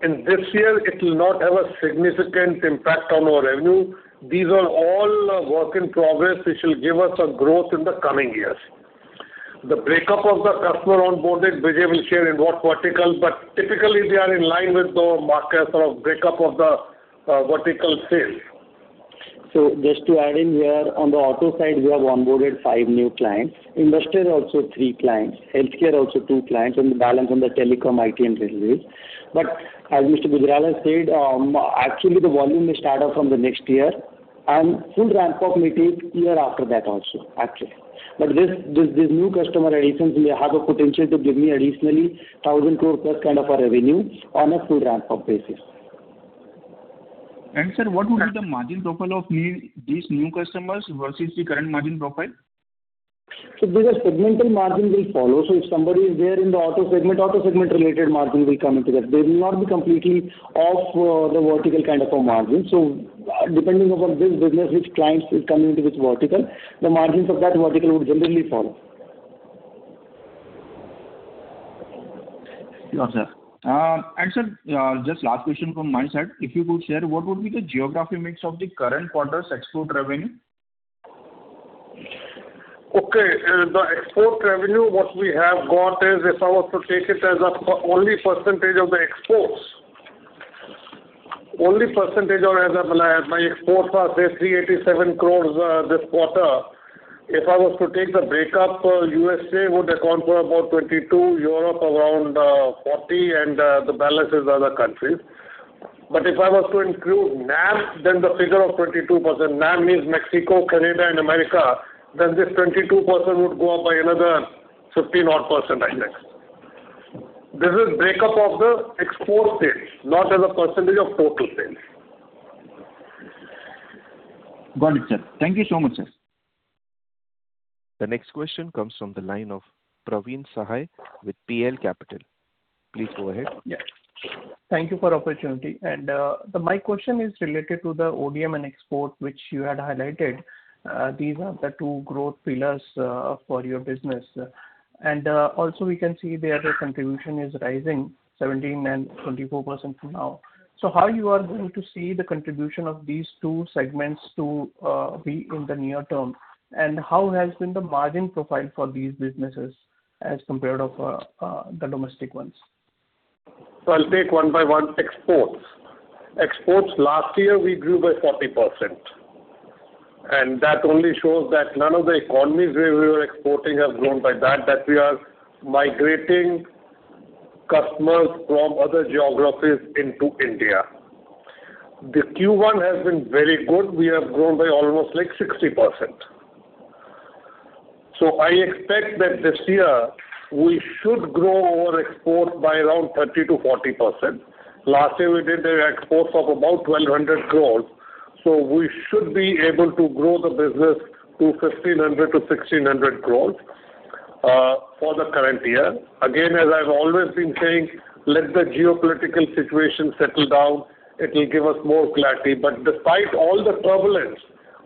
in this year, it will not have a significant impact on our revenue. These are all work in progress, which will give us a growth in the coming years. The breakup of the customer onboarding, Bijay will share in what vertical, but typically they are in line with the market breakup of the vertical sales. Just to add in here, on the auto side, we have onboarded five new clients. Industrial also three clients, healthcare also two clients, and the balance on the telecom, IT, and railways. As Mr. Gujral has said, actually the volume will start off from the next year and full ramp up may take year after that also. These new customer additions may have a potential to give me additionally 1,000 crore plus kind of a revenue on a full ramp-up basis. Sir, what would be the margin profile of these new customers versus the current margin profile? Because segmental margin will follow, if somebody is there in the auto segment, auto segment related margin will come into that. They will not be completely off the vertical kind of a margin. Depending upon which business, which clients is coming into which vertical, the margins of that vertical would generally follow. Sure, sir. Sir, just last question from my side. If you could share what would be the geography mix of the current quarter's export revenue? Okay. The export revenue, what we have got is if I was to take it as only percentage of the exports. Only percentage as my exports are, say, 387 crores this quarter. If I was to take the breakup, U.S.A. would account for about 22%, Europe around 40%, and the balance is other countries. If I was to include NAM, then the figure of 22%, NAM means Mexico, Canada, and America, then this 22% would go up by another 15-odd percent, I guess. This is breakup of the export sales, not as a percentage of total sales. Got it, sir. Thank you so much, sir. The next question comes from the line of Praveen Sahay with PL Capital. Please go ahead. Thank you for the opportunity. My question is related to the ODM and export, which you had highlighted. These are the two growth pillars for your business. We can see their contribution is rising 17% and 24% now. How you are going to see the contribution of these two segments to be in the near term? How has been the margin profile for these businesses as compared to the domestic ones? I'll take one by one. Exports. Last year we grew by 40%. That only shows that none of the economies where we were exporting have grown by that. That we are migrating customers from other geographies into India. The Q1 has been very good. We have grown by almost like 60%. I expect that this year we should grow our export by around 30%-40%. Last year, we did an export of about 1,200 crores, so we should be able to grow the business to 1,500 crores-1,600 crores for the current year. Again, as I've always been saying, let the geopolitical situation settle down. It will give us more clarity. Despite all the turbulence,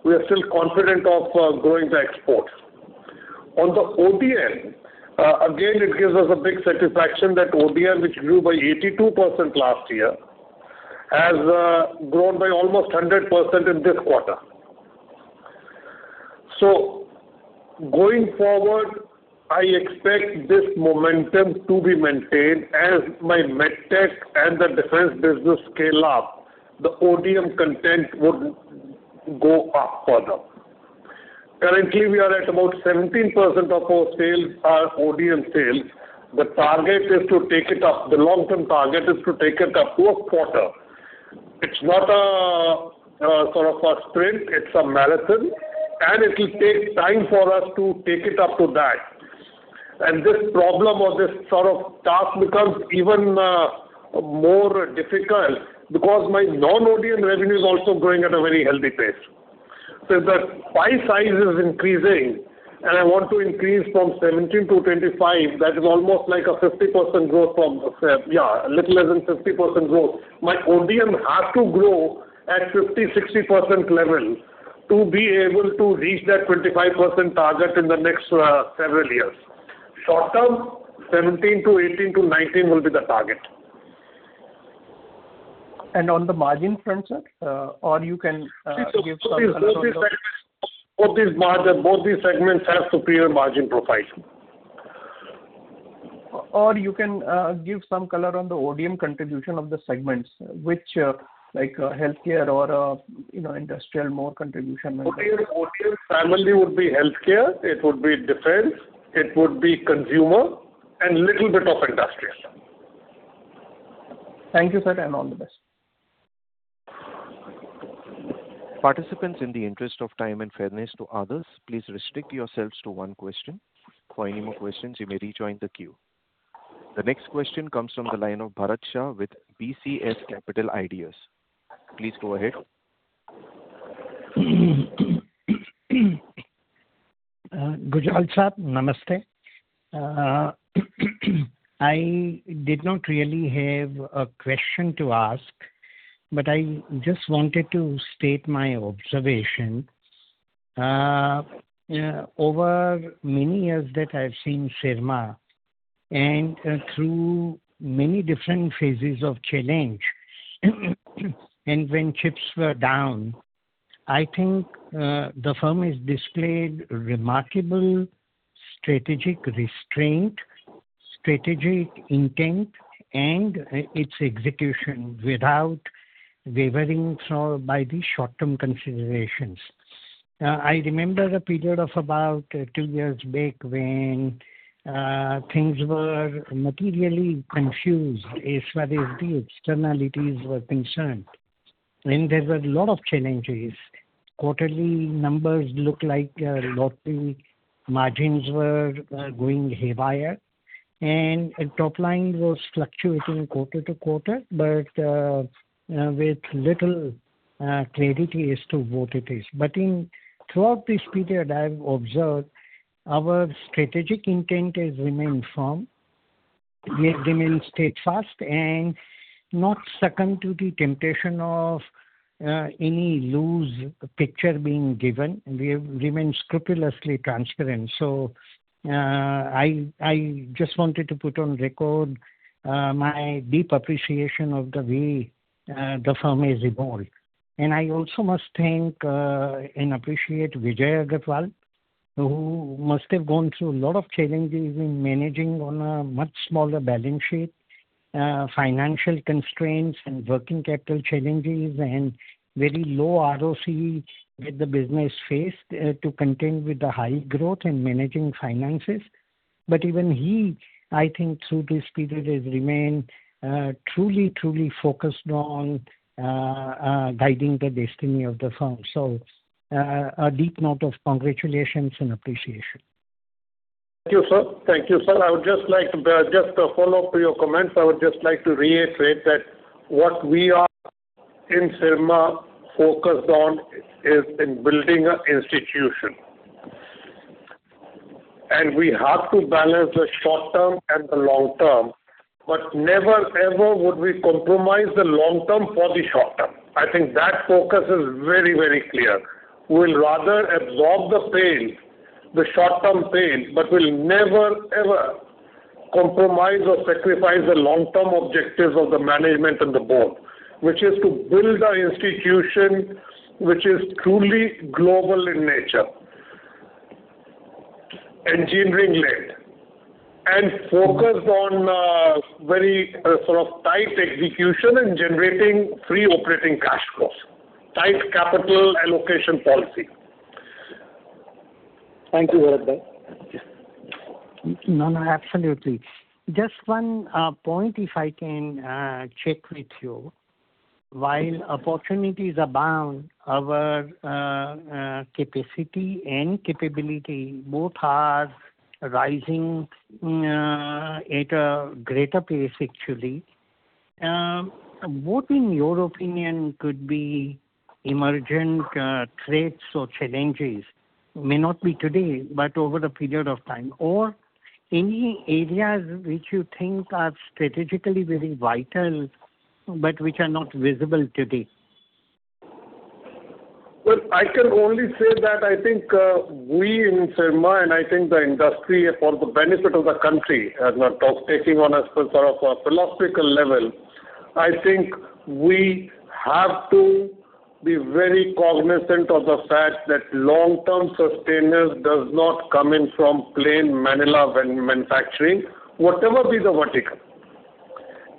we are still confident of growing the export. On the ODM, again, it gives us a big satisfaction that ODM, which grew by 82% last year, has grown by almost 100% in this quarter. Going forward, I expect this momentum to be maintained as my MedTech and the defense business scale up, the ODM content would go up further. Currently, we are at about 17% of our sales are ODM sales. The long-term target is to take it up to a quarter. It's not a sprint, it's a marathon, and it will take time for us to take it up to that. This problem or this task becomes even more difficult because my non-ODM revenue is also growing at a very healthy pace. If my size is increasing and I want to increase from 17%- 25%, that is almost like a 50% growth, a little less than 50% growth. My ODM has to grow at 50%-60% level to be able to reach that 25% target in the next several years. Short term, 17%-18%-19% will be the target. On the margin front, sir? You can give some color on the. Both these segments have superior margin profile. You can give some color on the ODM contribution of the segments, which like healthcare or industrial, more contribution than the other. ODM family would be healthcare, it would be defense, it would be consumer, and little bit of industrial. Thank you, sir, and all the best. Participants, in the interest of time and fairness to others, please restrict yourselves to one question. For any more questions, you may rejoin the queue. The next question comes from the line of Bharat Shah with BCS Capital Ideas. Please go ahead. Gujral sir, namaste. I did not really have a question to ask, but I just wanted to state my observation. Over many years that I've seen Syrma, through many different phases of challenge, when chips were down, I think the firm has displayed remarkable strategic restraint, strategic intent, and its execution without wavering by the short-term considerations. I remember the period of about two years back when things were materially confused as far as the externalities were concerned. There were a lot of challenges. Quarterly numbers looked like lofty margins were going haywire, and top line was fluctuating quarter to quarter, but with little clarity as to what it is. Throughout this period, I've observed our strategic intent has remained firm. We have remained steadfast and not succumbed to the temptation of any loose picture being given, and we have remained scrupulously transparent. I just wanted to put on record my deep appreciation of the way the firm has evolved. I also must thank and appreciate Bijay Agrawal, who must have gone through a lot of challenges in managing on a much smaller balance sheet, financial constraints and working capital challenges, and very low ROC that the business faced to contend with the high growth and managing finances. Even he, I think, through this period has remained truly focused on guiding the destiny of the firm. A deep note of congratulations and appreciation. Thank you, sir. Just a follow-up to your comments. I would just like to reiterate that what we are in Syrma focused on is in building an institution. We have to balance the short term and the long term, but never ever would we compromise the long term for the short term. I think that focus is very clear. We'll rather absorb the short-term pain, but we'll never, ever compromise or sacrifice the long-term objectives of the management and the board, which is to build an institution which is truly global in nature, engineering-led, and focused on very tight execution and generating free operating cash flows, tight capital allocation policy. Thank you, Gujral sir. No, absolutely. Just one point if I can check with you. While opportunities abound, our capacity and capability, both are rising at a greater pace, actually. What, in your opinion, could be emergent threats or challenges, may not be today, but over a period of time, or any areas which you think are strategically very vital but which are not visible today? Well, I can only say that I think we in Syrma, I think the industry, for the benefit of the country, I'm not taking on a sort of philosophical level. I think we have to be very cognizant of the fact that long-term sustenance does not come in from plain vanilla manufacturing, whatever be the vertical.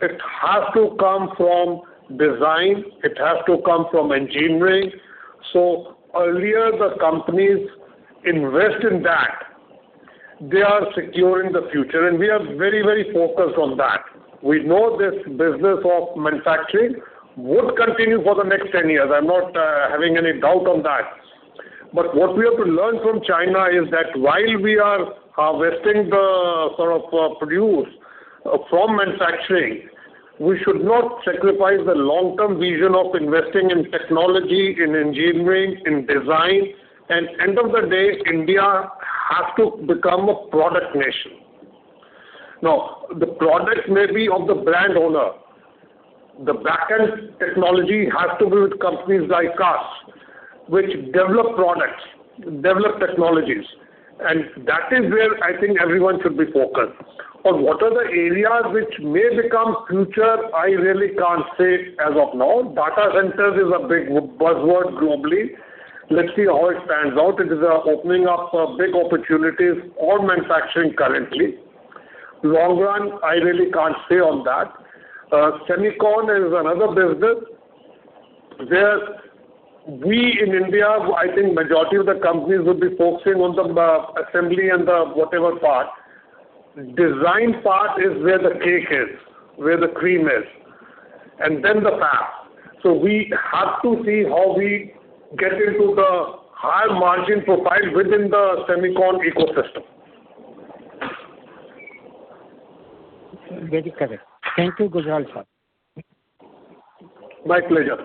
It has to come from design, it has to come from engineering. Earlier, the companies invest in that, they are securing the future, we are very focused on that. We know this business of manufacturing would continue for the next 10 years. I'm not having any doubt on that. What we have to learn from China is that while we are harvesting the sort of produce from manufacturing, we should not sacrifice the long-term vision of investing in technology, in engineering, in design. End of the day, India has to become a product nation. Now, the product may be of the brand owner. The backend technology has to be with companies like us, which develop products, develop technologies, and that is where I think everyone should be focused. On what are the areas which may become future, I really can't say as of now. Data centers is a big buzzword globally. Let's see how it pans out. It is opening up big opportunities for manufacturing currently. Long run, I really can't say on that. Semiconductor is another business where we in India, I think majority of the companies would be focusing on the assembly and the whatever part. Design part is where the cake is, where the cream is, and then the fab. We have to see how we get into the higher margin profile within the semiconductor ecosystem. Very correct. Thank you, Gujral sir. My pleasure.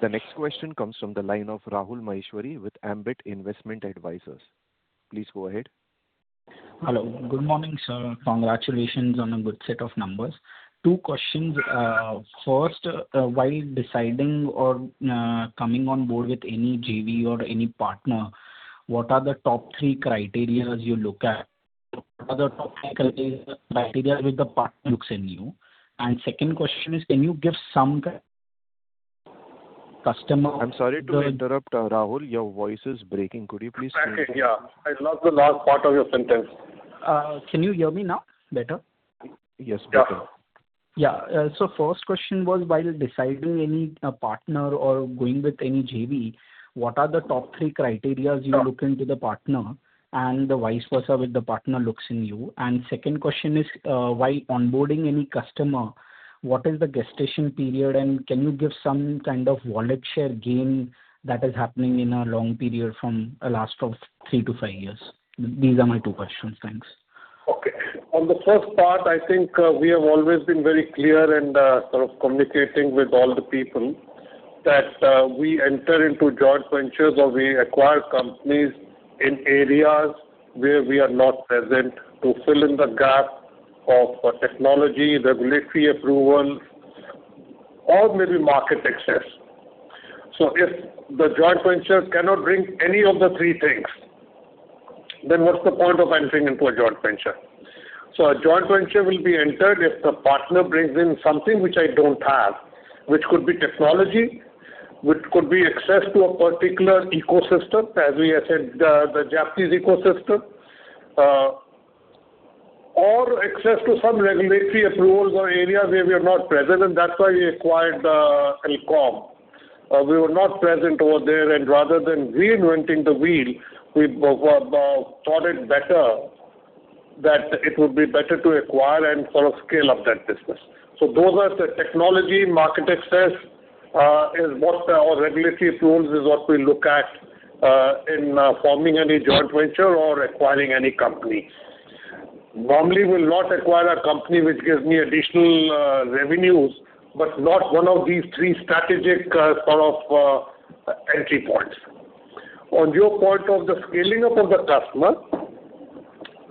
The next question comes from the line of Rahul Maheshwary with Ambit Investment Advisors. Please go ahead. Hello. Good morning, sir. Congratulations on a good set of numbers. Two questions. First, while deciding or coming on board with any JV or any partner, what are the top three criteria you look at? What are the top three criteria which the partner looks in you? Second question is, can you give some kind I'm sorry to interrupt, Rahul. Your voice is breaking. Could you please speak up? Yeah. I lost the last part of your sentence. Can you hear me now better? Yes, better. Yeah. Yeah. First question was, while deciding any partner or going with any JV, what are the top three criteria you look into the partner and vice versa, which the partner looks in you? Second question is, while onboarding any customer, what is the gestation period and can you give some kind of wallet share gain that is happening in a long period from last of three to five years? These are my two questions. Thanks. Okay. On the first part, I think we have always been very clear and sort of communicating with all the people that we enter into joint ventures or we acquire companies in areas where we are not present to fill in the gap of technology, regulatory approval, or maybe market access. If the joint venture cannot bring any of the three things, then what's the point of entering into a joint venture? A joint venture will be entered if the partner brings in something which I don't have, which could be technology, which could be access to a particular ecosystem, as we have said, the Japanese ecosystem, or access to some regulatory approvals or areas where we are not present, and that's why we acquired Elcome. Rather than reinventing the wheel, we thought it better that it would be better to acquire and sort of scale up that business. Those are the technology market access, or regulatory approvals is what we look at in forming any joint venture or acquiring any company. Normally, we'll not acquire a company which gives me additional revenues, but not one of these three strategic sort of entry points. On your point of the scaling up of the customer,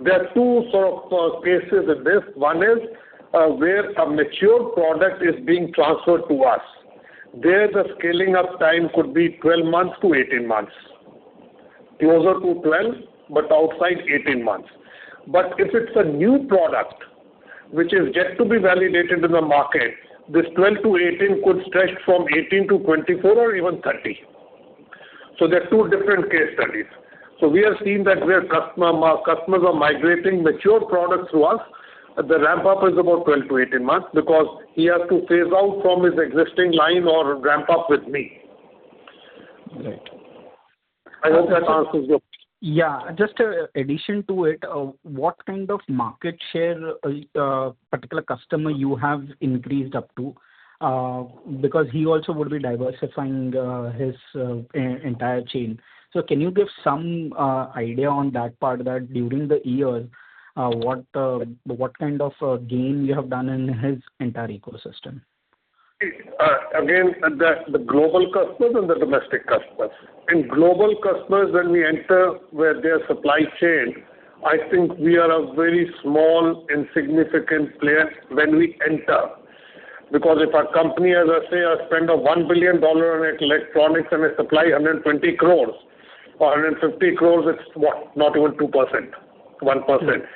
there are two sort of cases in this. One is where a mature product is being transferred to us. There, the scaling up time could be 12 months-18 months, closer to 12, but outside 18 months. If it's a new product which is yet to be validated in the market, this 12-18 could stretch from 18-24 or even 30. There are two different case studies. We have seen that where customers are migrating mature products to us, the ramp-up is about 12-18 months because he has to phase out from his existing line or ramp up with me. Right. I hope that answers your. Yeah. Just addition to it, what kind of market share, particular customer you have increased up to? Because he also would be diversifying his entire chain. Can you give some idea on that part, that during the year, what kind of gain you have done in his entire ecosystem? Again, the global customers and the domestic customers. In global customers, when we enter their supply chain, I think we are a very small, insignificant player when we enter. Because if a company, as I say, spends $1 billion on electronics and they supply 120 crores or 150 crores, it's what? Not even 2%, 1%.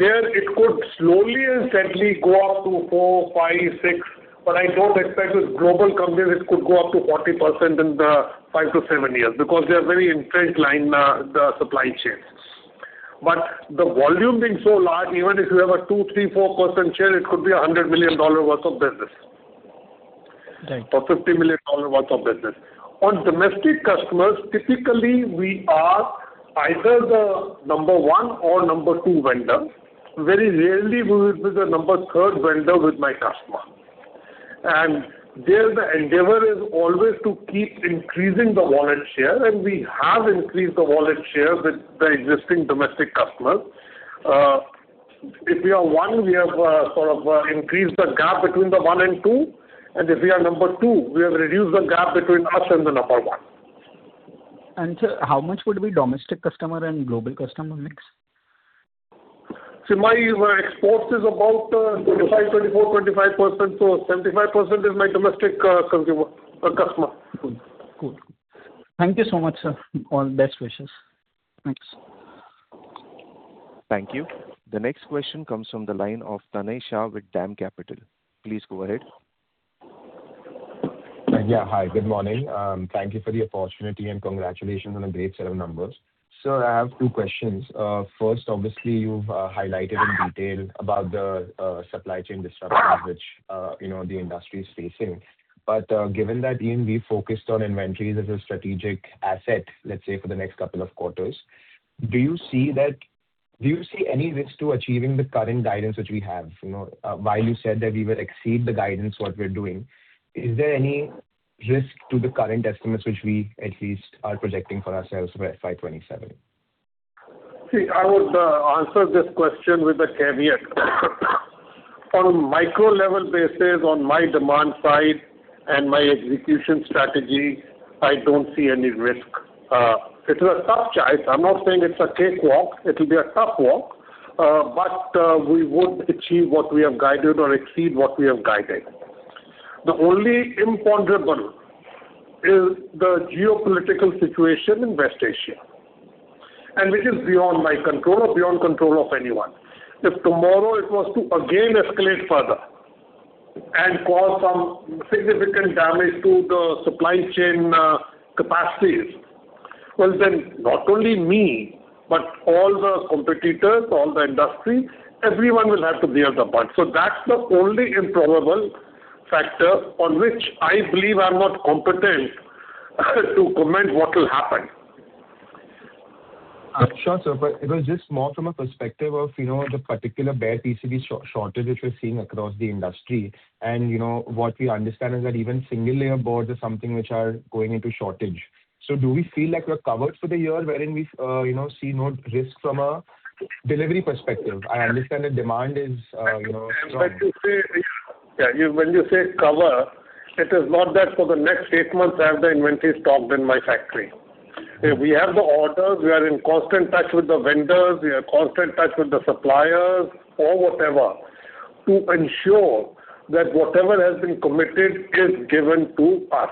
There it could slowly and steadily go up to four, five, six, but I don't expect with global companies, it could go up to 40% in the five to seven years, because they're very entrenched line, the supply chains. The volume being so large, even if you have a two, three, 4% share, it could be $100 million worth of business. Right. $50 million worth of business. On domestic customers, typically, we are either the number one or number two vendor. Very rarely we will be the number third vendor with my customer. There, the endeavor is always to keep increasing the wallet share, and we have increased the wallet share with the existing domestic customers. If we are one, we have sort of increased the gap between the one and two, and if we are number two, we have reduced the gap between us and the number one. sir, how much would be domestic customer and global customer mix? See, my export is about 24%-25%. 75% is my domestic customer. Good. Thank you so much, sir. All best wishes. Thanks. Thank you. The next question comes from the line of Tanay Shah with DAM Capital. Please go ahead. Yeah. Hi, good morning. Thank you for the opportunity, and congratulations on a great set of numbers. Sir, I have two questions. First, obviously, you've highlighted in detail about the supply chain disruptions which the industry is facing. Given that EMS focused on inventory as a strategic asset, let's say for the next couple of quarters, do you see any risk to achieving the current guidance which we have? While you said that we will exceed the guidance. Is there any risk to the current estimates which we at least are projecting for ourselves for FY 2027? See, I would answer this question with a caveat. On a micro level basis, on my demand side and my execution strategy, I don't see any risk. It is a tough chase. I'm not saying it's a cakewalk. It will be a tough walk. We would achieve what we have guided or exceed what we have guided. The only imponderable is the geopolitical situation in West Asia, and which is beyond my control or beyond control of anyone. If tomorrow it was to again escalate further and cause some significant damage to the supply chain capacities, well then not only me, but all the competitors, all the industry, everyone will have to bear the brunt. That's the only improbable factor on which I believe I'm not competent to comment what will happen. Sure, sir. It was just more from a perspective of the particular bare PCB shortage which we're seeing across the industry. What we understand is that even single layer boards are something which are going into shortage. Do we feel like we're covered for the year wherein we see no risk from a delivery perspective? I understand that demand is strong. Yeah. When you say cover, it is not that for the next eight months I have the inventory stocked in my factory. We have the orders. We are in constant touch with the vendors. We are constant touch with the suppliers or whatever to ensure that whatever has been committed is given to us.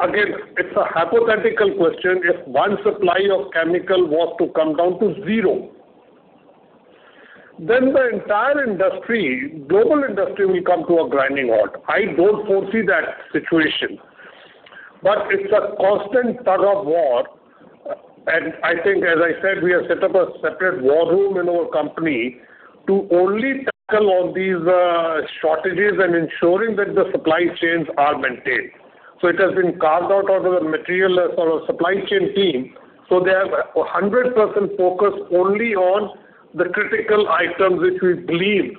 Again, it's a hypothetical question. If one supply of chemical was to come down to zero, then the entire industry, global industry will come to a grinding halt. I don't foresee that situation. It's a constant tug-of-war, and I think, as I said, we have set up a separate war room in our company to only tackle all these shortages and ensuring that the supply chains are maintained. It has been carved out of the material sort of supply chain team. They have 100% focus only on the critical items which we believe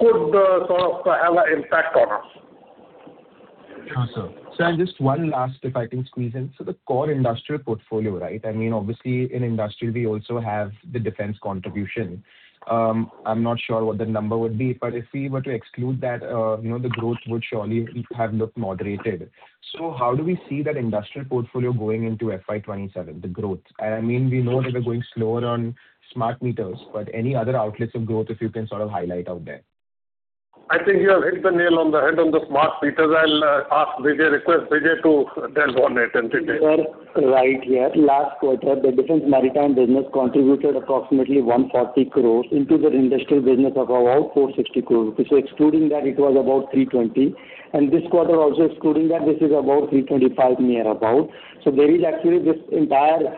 could sort of have an impact on us. Sure, sir. Sir, just one last if I can squeeze in. The core industrial portfolio, right? Obviously, in industrial we also have the defense contribution. I am not sure what the number would be, but if we were to exclude that, the growth would surely have looked moderated. How do we see that industrial portfolio going into FY 2027, the growth? We know that we are going slower on smart meters, but any other outlets of growth, if you can sort of highlight out there? I think you have hit the nail on the head on the smart meters. I will request Bijay to delve on it and detail. You are right here. Last quarter, the defense maritime business contributed approximately 140 crores into the industrial business of around 460 crores. Excluding that, it was about 320. This quarter also excluding that, this is about 325, near about. There is actually this entire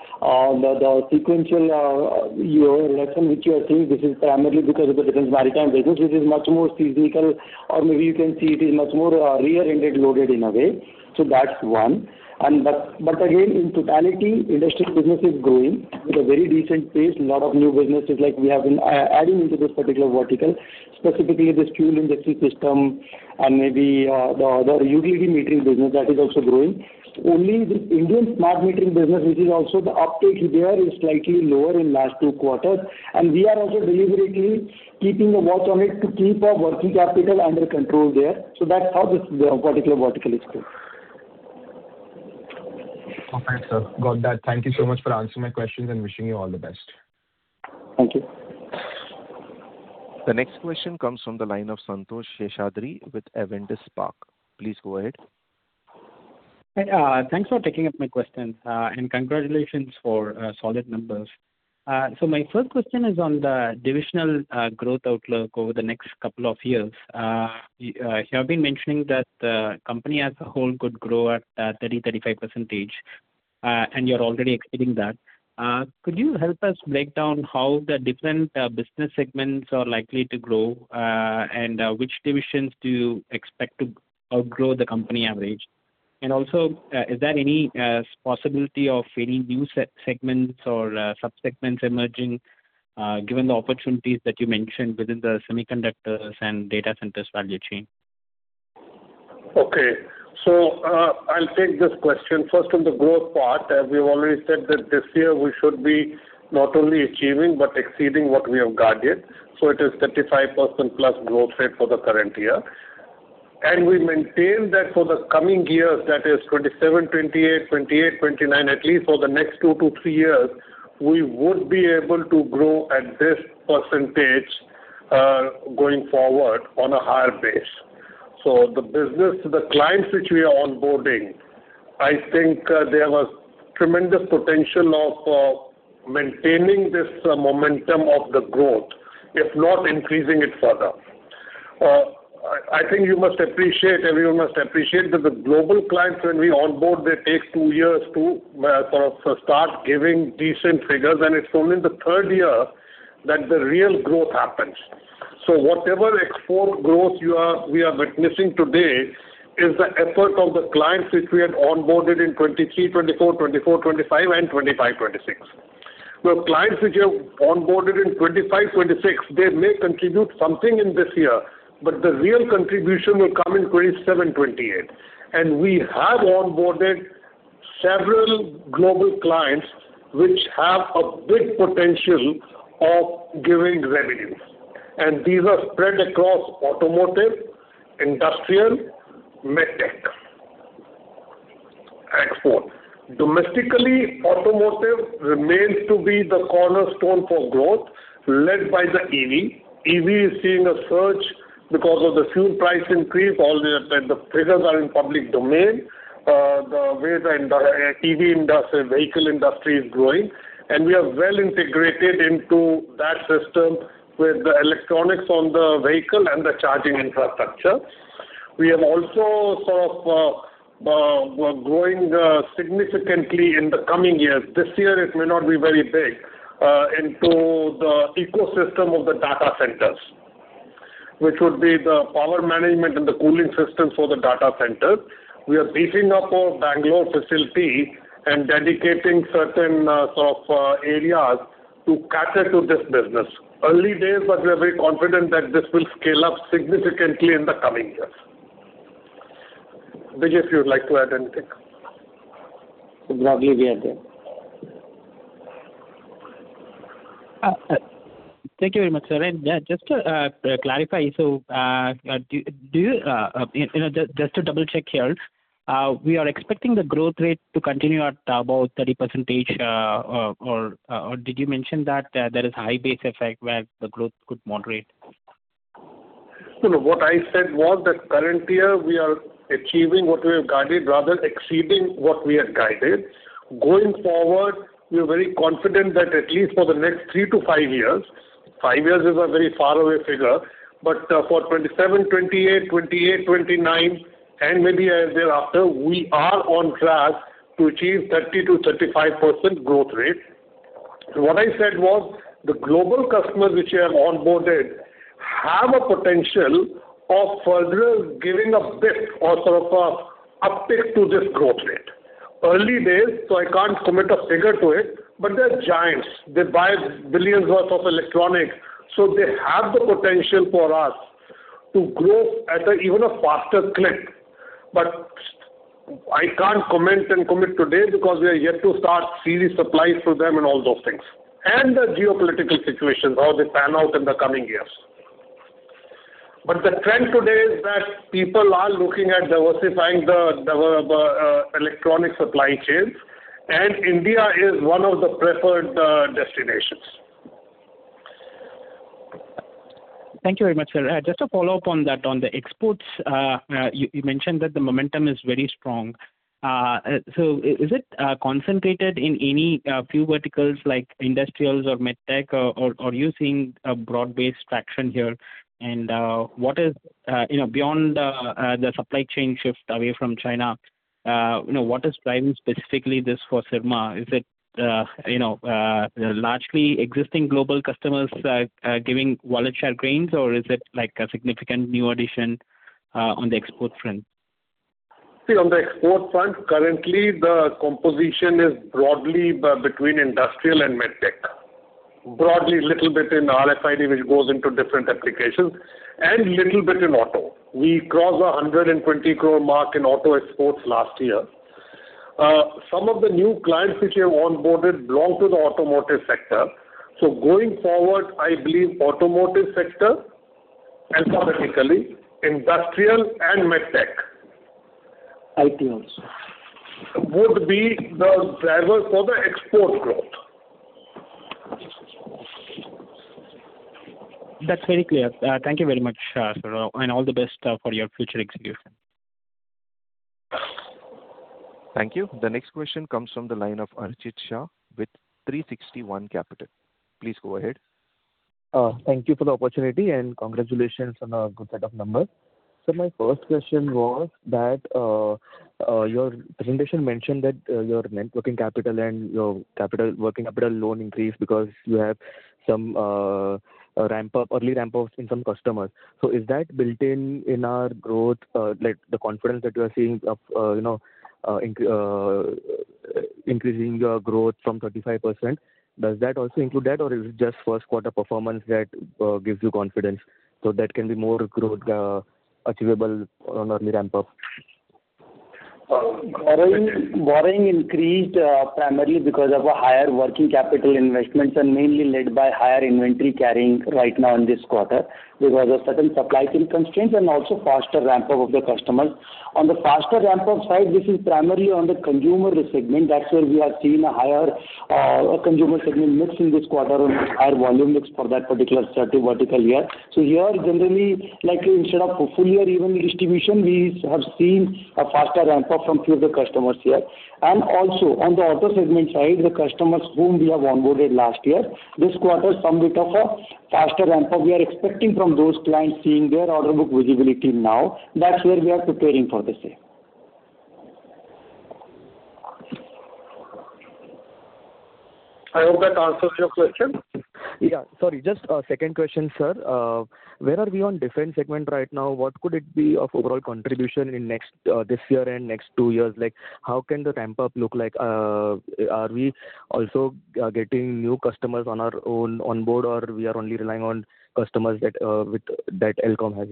sequential year-over-year lesson, which you are seeing. This is primarily because of the defense maritime business. This is much more seasonal or maybe you can see it is much more rear-ended loaded in a way. That is one. Again, in totality, industrial business is growing at a very decent pace. Lot of new businesses like we have been adding into this particular vertical, specifically this fuel injection system and maybe the utility metering business that is also growing. Only the Indian smart metering business, which is also the uptake there is slightly lower in last two quarters, and we are also deliberately keeping a watch on it to keep our working capital under control there. That's how this particular vertical is doing. Okay, sir. Got that. Thank you so much for answering my questions and wishing you all the best. Thank you. The next question comes from the line of Santhosh Seshadri with Avendus Spark. Please go ahead. Thanks for taking up my question, and congratulations for solid numbers. My first question is on the divisional growth outlook over the next couple of years. You have been mentioning that the company as a whole could grow at 30%-35% each, and you're already exceeding that. Could you help us break down how the different business segments are likely to grow, and which divisions do you expect to outgrow the company average? Is there any possibility of any new segments or sub-segments emerging, given the opportunities that you mentioned within the semiconductors and data centers value chain? I'll take this question. First on the growth part, as we've already said that this year we should be not only achieving but exceeding what we have guided. It is 35% plus growth rate for the current year. We maintain that for the coming years, that is 2027, 2028, 2029, at least for the next two-three years, we would be able to grow at this percentage, going forward on a higher base. The clients which we are onboarding, I think there was tremendous potential of maintaining this momentum of the growth, if not increasing it further. I think everyone must appreciate that the global clients, when we onboard, they take two years to start giving decent figures, and it's only in the third year that the real growth happens. Whatever export growth we are witnessing today is the effort of the clients which we had onboarded in 2023, 2024, 2025, and 2025, 2026. The clients which we have onboarded in 2025, 2026, they may contribute something in this year, but the real contribution will come in 2027, 2028. We have onboarded several global clients which have a big potential of giving revenues. These are spread across automotive, industrial, MedTech, and so on. Domestically, automotive remains to be the cornerstone for growth, led by the EV. EV is seeing a surge because of the fuel price increase. The figures are in public domain, the way the EV vehicle industry is growing, and we are well integrated into that system with the electronics on the vehicle and the charging infrastructure. We are also growing significantly in the coming years, this year it may not be very big, into the ecosystem of the data centers, which would be the power management and the cooling systems for the data centers. We are beefing up our Bangalore facility and dedicating certain areas to cater to this business. Early days, but we are very confident that this will scale up significantly in the coming years. Bijay, if you would like to add anything. Lovely. We are done. Thank you very much, sir. Just to clarify, just to double-check here, we are expecting the growth rate to continue at about 30% or did you mention that there is a high base effect where the growth could moderate? No, what I said was that current year we are achieving what we have guided, rather exceeding what we had guided. Going forward, we are very confident that at least for the next three to five years, five years is a very faraway figure, but for 2027, 2028, 2029, and maybe thereafter, we are on track to achieve 30%-35% growth rate. What I said was, the global customers which we have onboarded have a potential of further giving a bit or sort of an uptick to this growth rate. Early days. I can't commit a figure to it, but they're giants. They buy billions worth of electronics. They have the potential for us to grow at even a faster clip. I can't comment and commit today because we are yet to start series supplies to them and all those things. The geopolitical situations, how they pan out in the coming years. The trend today is that people are looking at diversifying the electronic supply chains. India is one of the preferred destinations. Thank you very much, sir. Just a follow-up on that. On the exports, you mentioned that the momentum is very strong. Is it concentrated in any few verticals like industrials or MedTech, or are you seeing a broad-based traction here? Beyond the supply chain shift away from China, what is driving specifically this for Syrma? Is it largely existing global customers giving wallet share gains, or is it a significant new addition on the export front? See, on the export front, currently the composition is broadly between industrial and MedTech. Broadly a little bit in RFID, which goes into different applications, and little bit in auto. We crossed 120 crore mark in auto exports last year. Some of the new clients which we have onboarded belong to the automotive sector. Going forward, I believe automotive sector, and vertically, industrial and MedTech- IT also would be the driver for the export growth. That's very clear. Thank you very much, sir, and all the best for your future execution. Thank you. The next question comes from the line of Archit Shah with 360 ONE Capital. Please go ahead. Thank you for the opportunity, and congratulations on a good set of numbers. Sir, my first question was that your presentation mentioned that your net working capital and your working capital loan increased because you have some early ramp-ups in some customers. Is that built in in our growth, like the confidence that you are seeing of increasing your growth from 35%? Does that also include that, or is it just first quarter performance that gives you confidence so that can be more growth achievable on early ramp-up? Borrowing increased primarily because of higher working capital investments and mainly led by higher inventory carrying right now in this quarter. There was a certain supply chain constraint and also faster ramp-up of the customers. On the faster ramp-up side, this is primarily on the consumer segment. That's where we are seeing a higher consumer segment mix in this quarter and higher volume mix for that particular set of vertical here. Here, generally, like instead of full year even distribution, we have seen a faster ramp-up from few of the customers here. Also, on the auto segment side, the customers whom we have onboarded last year, this quarter, some bit of a faster ramp-up we are expecting from those clients seeing their order book visibility now. That's where we are preparing for this year. I hope that answers your question. Yeah. Sorry, just a second question, sir. Where are we on different segment right now? What could it be of overall contribution in this year and next two years? How can the ramp-up look like? Are we also getting new customers on our own onboard, or we are only relying on customers that Elcom has?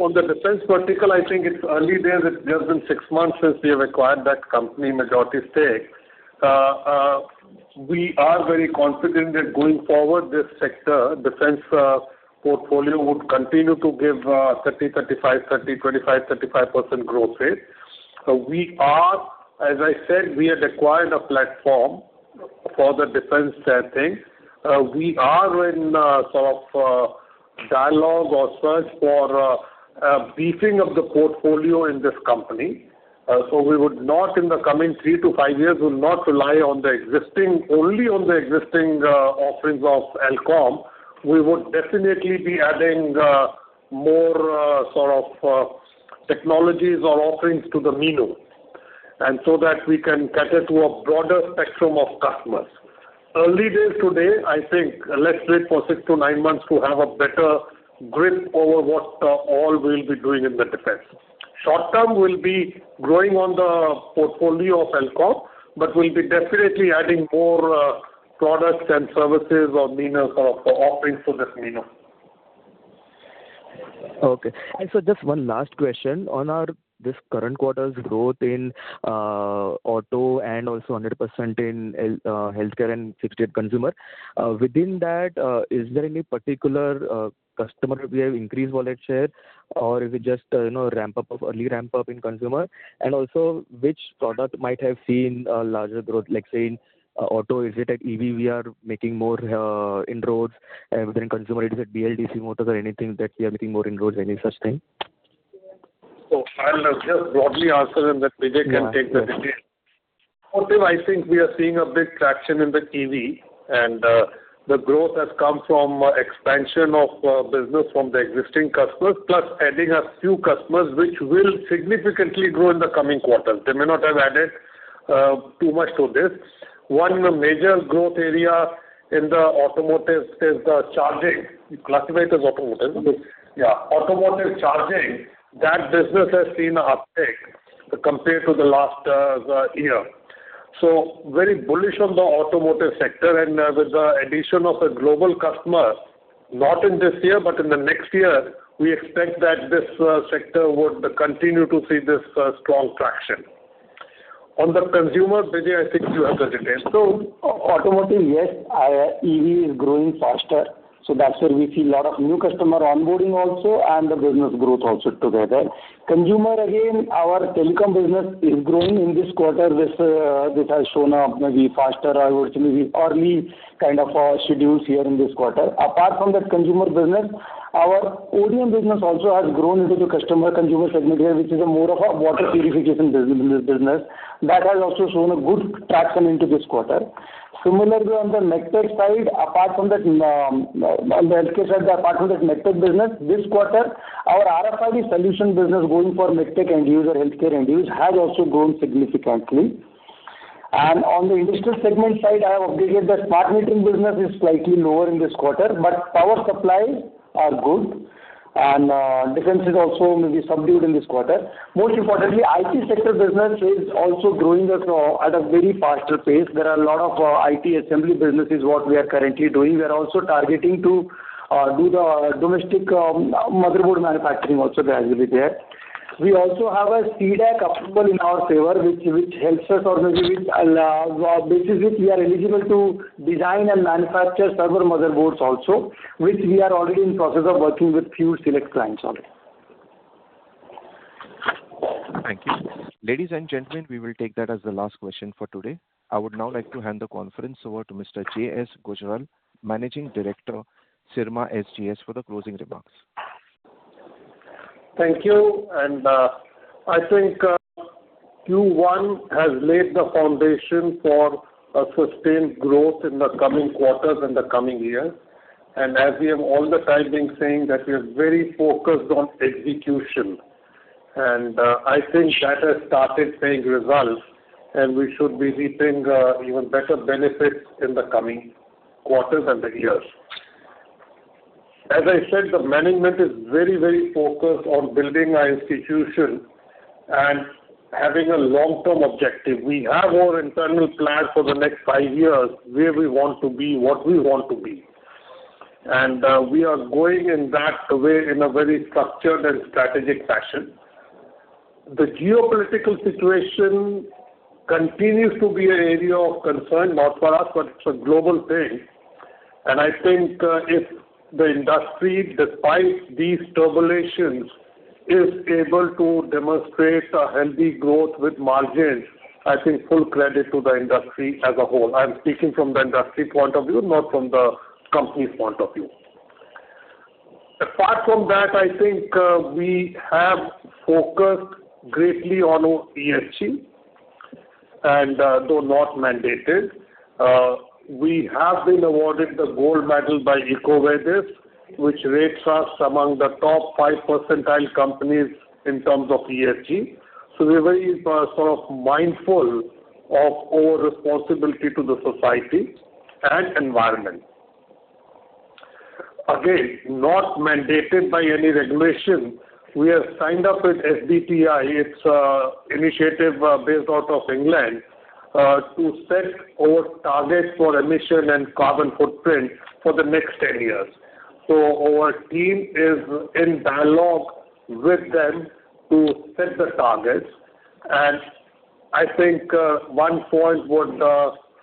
On the defense vertical, I think it's early days. It has been six months since we have acquired that company majority stake. We are very confident that going forward, this sector, defense portfolio, would continue to give 30%, 35%, 30%, 25%, 35% growth rate. As I said, we had acquired a platform for the defense setting. We are in a sort of dialogue or search for beefing up the portfolio in this company. We would not, in the coming three to five years, will not rely only on the existing offerings of Elcom. We would definitely be adding more technologies or offerings to the menu, and so that we can cater to a broader spectrum of customers. Early days today, I think let's wait for six to nine months to have a better grip over what all we'll be doing in the defense. Short term, we'll be growing on the portfolio of Elcom, but we'll be definitely adding more products and services or offerings to this menu. Okay. Sir, just one last question. On this current quarter's growth in auto and also 100% in healthcare and fixed consumer, within that, is there any particular customer we have increased wallet share or is it just early ramp-up in consumer? Also, which product might have seen a larger growth, like say in auto, is it at EV we are making more inroads? Within consumer, it is at BLDC motors or anything that we are making more inroads, any such thing? I'll just broadly answer and then Bijay can take the detail. Yeah. Automotive, I think we are seeing a big traction in the EV. The growth has come from expansion of business from the existing customers, plus adding a few customers which will significantly grow in the coming quarters. They may not have added too much to this. One major growth area in the automotive is the charging. You classify it as automotive, isn't it? Yes. Yeah. Automotive charging, that business has seen an uptick compared to the last year. Very bullish on the automotive sector, and with the addition of a global customer, not in this year but in the next year, we expect that this sector would continue to see this strong traction. On the consumer, Bijay, I think you have the details. Automotive, yes, EV is growing faster. That's where we see a lot of new customer onboarding also and the business growth also together. Consumer, again, our telecom business is growing in this quarter. This has shown up maybe faster or maybe early kind of schedules here in this quarter. Apart from that consumer business, our ODM business also has grown into the consumer segment, which is more of a water purification business. That has also shown a good traction into this quarter. Similarly, on the MedTech side, apart from that healthcare side, apart from that MedTech business, this quarter, our RFID solution business going for MedTech end user, healthcare end use, has also grown significantly. On the industrial segment side, I have updated that smart metering business is slightly lower in this quarter, Power supply are good, Defense is also maybe subdued in this quarter. Most importantly, IT sector business is also growing at a very faster pace. There are a lot of IT assembly businesses, what we are currently doing. We are also targeting to do the domestic motherboard manufacturing also gradually there. We also have a C-DAC approval in our favor, which helps us, or maybe with basis which we are eligible to design and manufacture server motherboards also, which we are already in process of working with few select clients already. Thank you. Ladies and gentlemen, we will take that as the last question for today. I would now like to hand the conference over to Mr. J. S. Gujral, Managing Director, Syrma SGS, for the closing remarks. Thank you. I think Q1 has laid the foundation for a sustained growth in the coming quarters and the coming years. As we have all the time been saying that we are very focused on execution. I think that has started paying results, we should be reaping even better benefits in the coming quarters and the years. As I said, the management is very focused on building our institution and having a long-term objective. We have our internal plan for the next five years, where we want to be, what we want to be. We are going in that way in a very structured and strategic fashion. The geopolitical situation continues to be an area of concern, not for us, but it is a global thing. I think if the industry, despite these turbulences, is able to demonstrate a healthy growth with margins, I think full credit to the industry as a whole. I am speaking from the industry point of view, not from the company's point of view. Apart from that, I think we have focused greatly on our ESG. Though not mandated, we have been awarded the gold medal by EcoVadis, which rates us among the top five percentile companies in terms of ESG. So we are very mindful of our responsibility to the society and environment. Again, not mandated by any regulation, we have signed up with SBTi, it is an initiative based out of England, to set our targets for emission and carbon footprint for the next 10 years. So our team is in dialogue with them to set the targets. I think one point would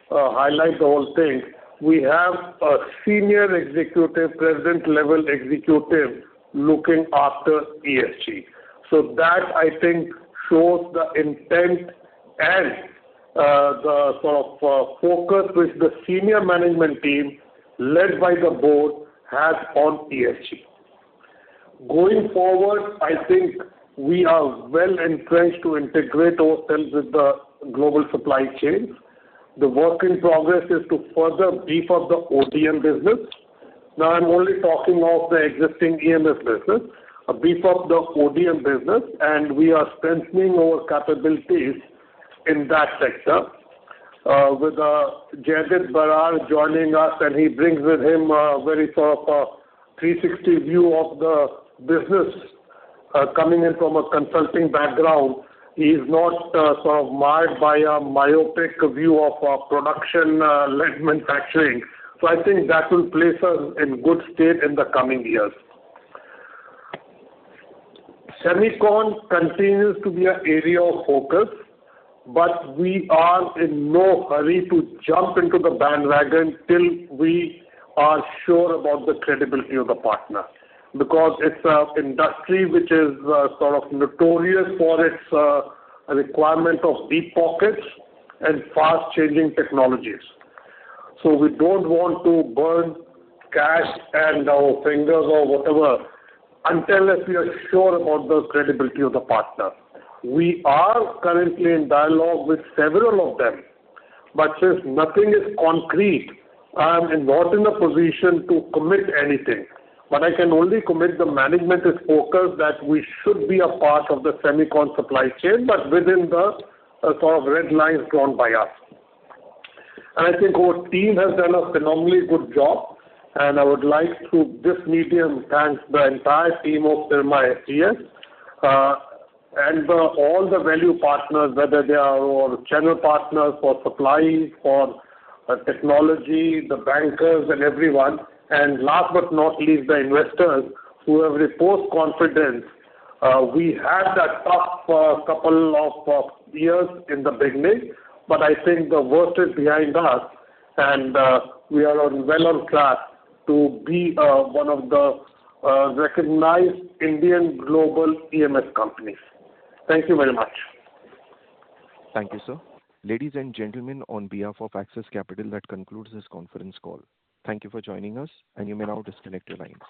highlight the whole thing. We have a senior executive, president level executive, looking after ESG. That I think shows the intent and the focus which the senior management team, led by the board, has on ESG. Going forward, I think we are well entrenched to integrate ourselves with the global supply chains. The work in progress is to further beef up the ODM business. I am only talking of the existing EMS business, beef up the ODM business, we are strengthening our capabilities in that sector. With Jaidit Brar joining us, he brings with him a very 360 view of the business, coming in from a consulting background. He is not mired by a myopic view of production-led manufacturing. I think that will place us in good state in the coming years. Semiconductor continues to be an area of focus, but we are in no hurry to jump into the bandwagon till we are sure about the credibility of the partner. Because it is an industry which is notorious for its requirement of deep pockets and fast-changing technologies. So we do not want to burn cash and our fingers or whatever, until we are sure about the credibility of the partner. We are currently in dialogue with several of them, but since nothing is concrete, I am not in a position to commit anything. I can only commit the management is focused that we should be a part of the semiconductor supply chain, but within the red lines drawn by us. I think our team has done a phenomenally good job, I would like to, this medium, thank the entire team of Syrma SGS, all the value partners, whether they are our channel partners for supplying, for technology, the bankers, everyone. Last but not least, the investors who have reposed confidence. We had that tough couple of years in the beginning, but I think the worst is behind us, and we are on well on track to be one of the recognized Indian global EMS companies. Thank you very much. Thank you, sir. Ladies and gentlemen, on behalf of Axis Capital, that concludes this conference call. Thank you for joining us, and you may now disconnect your lines.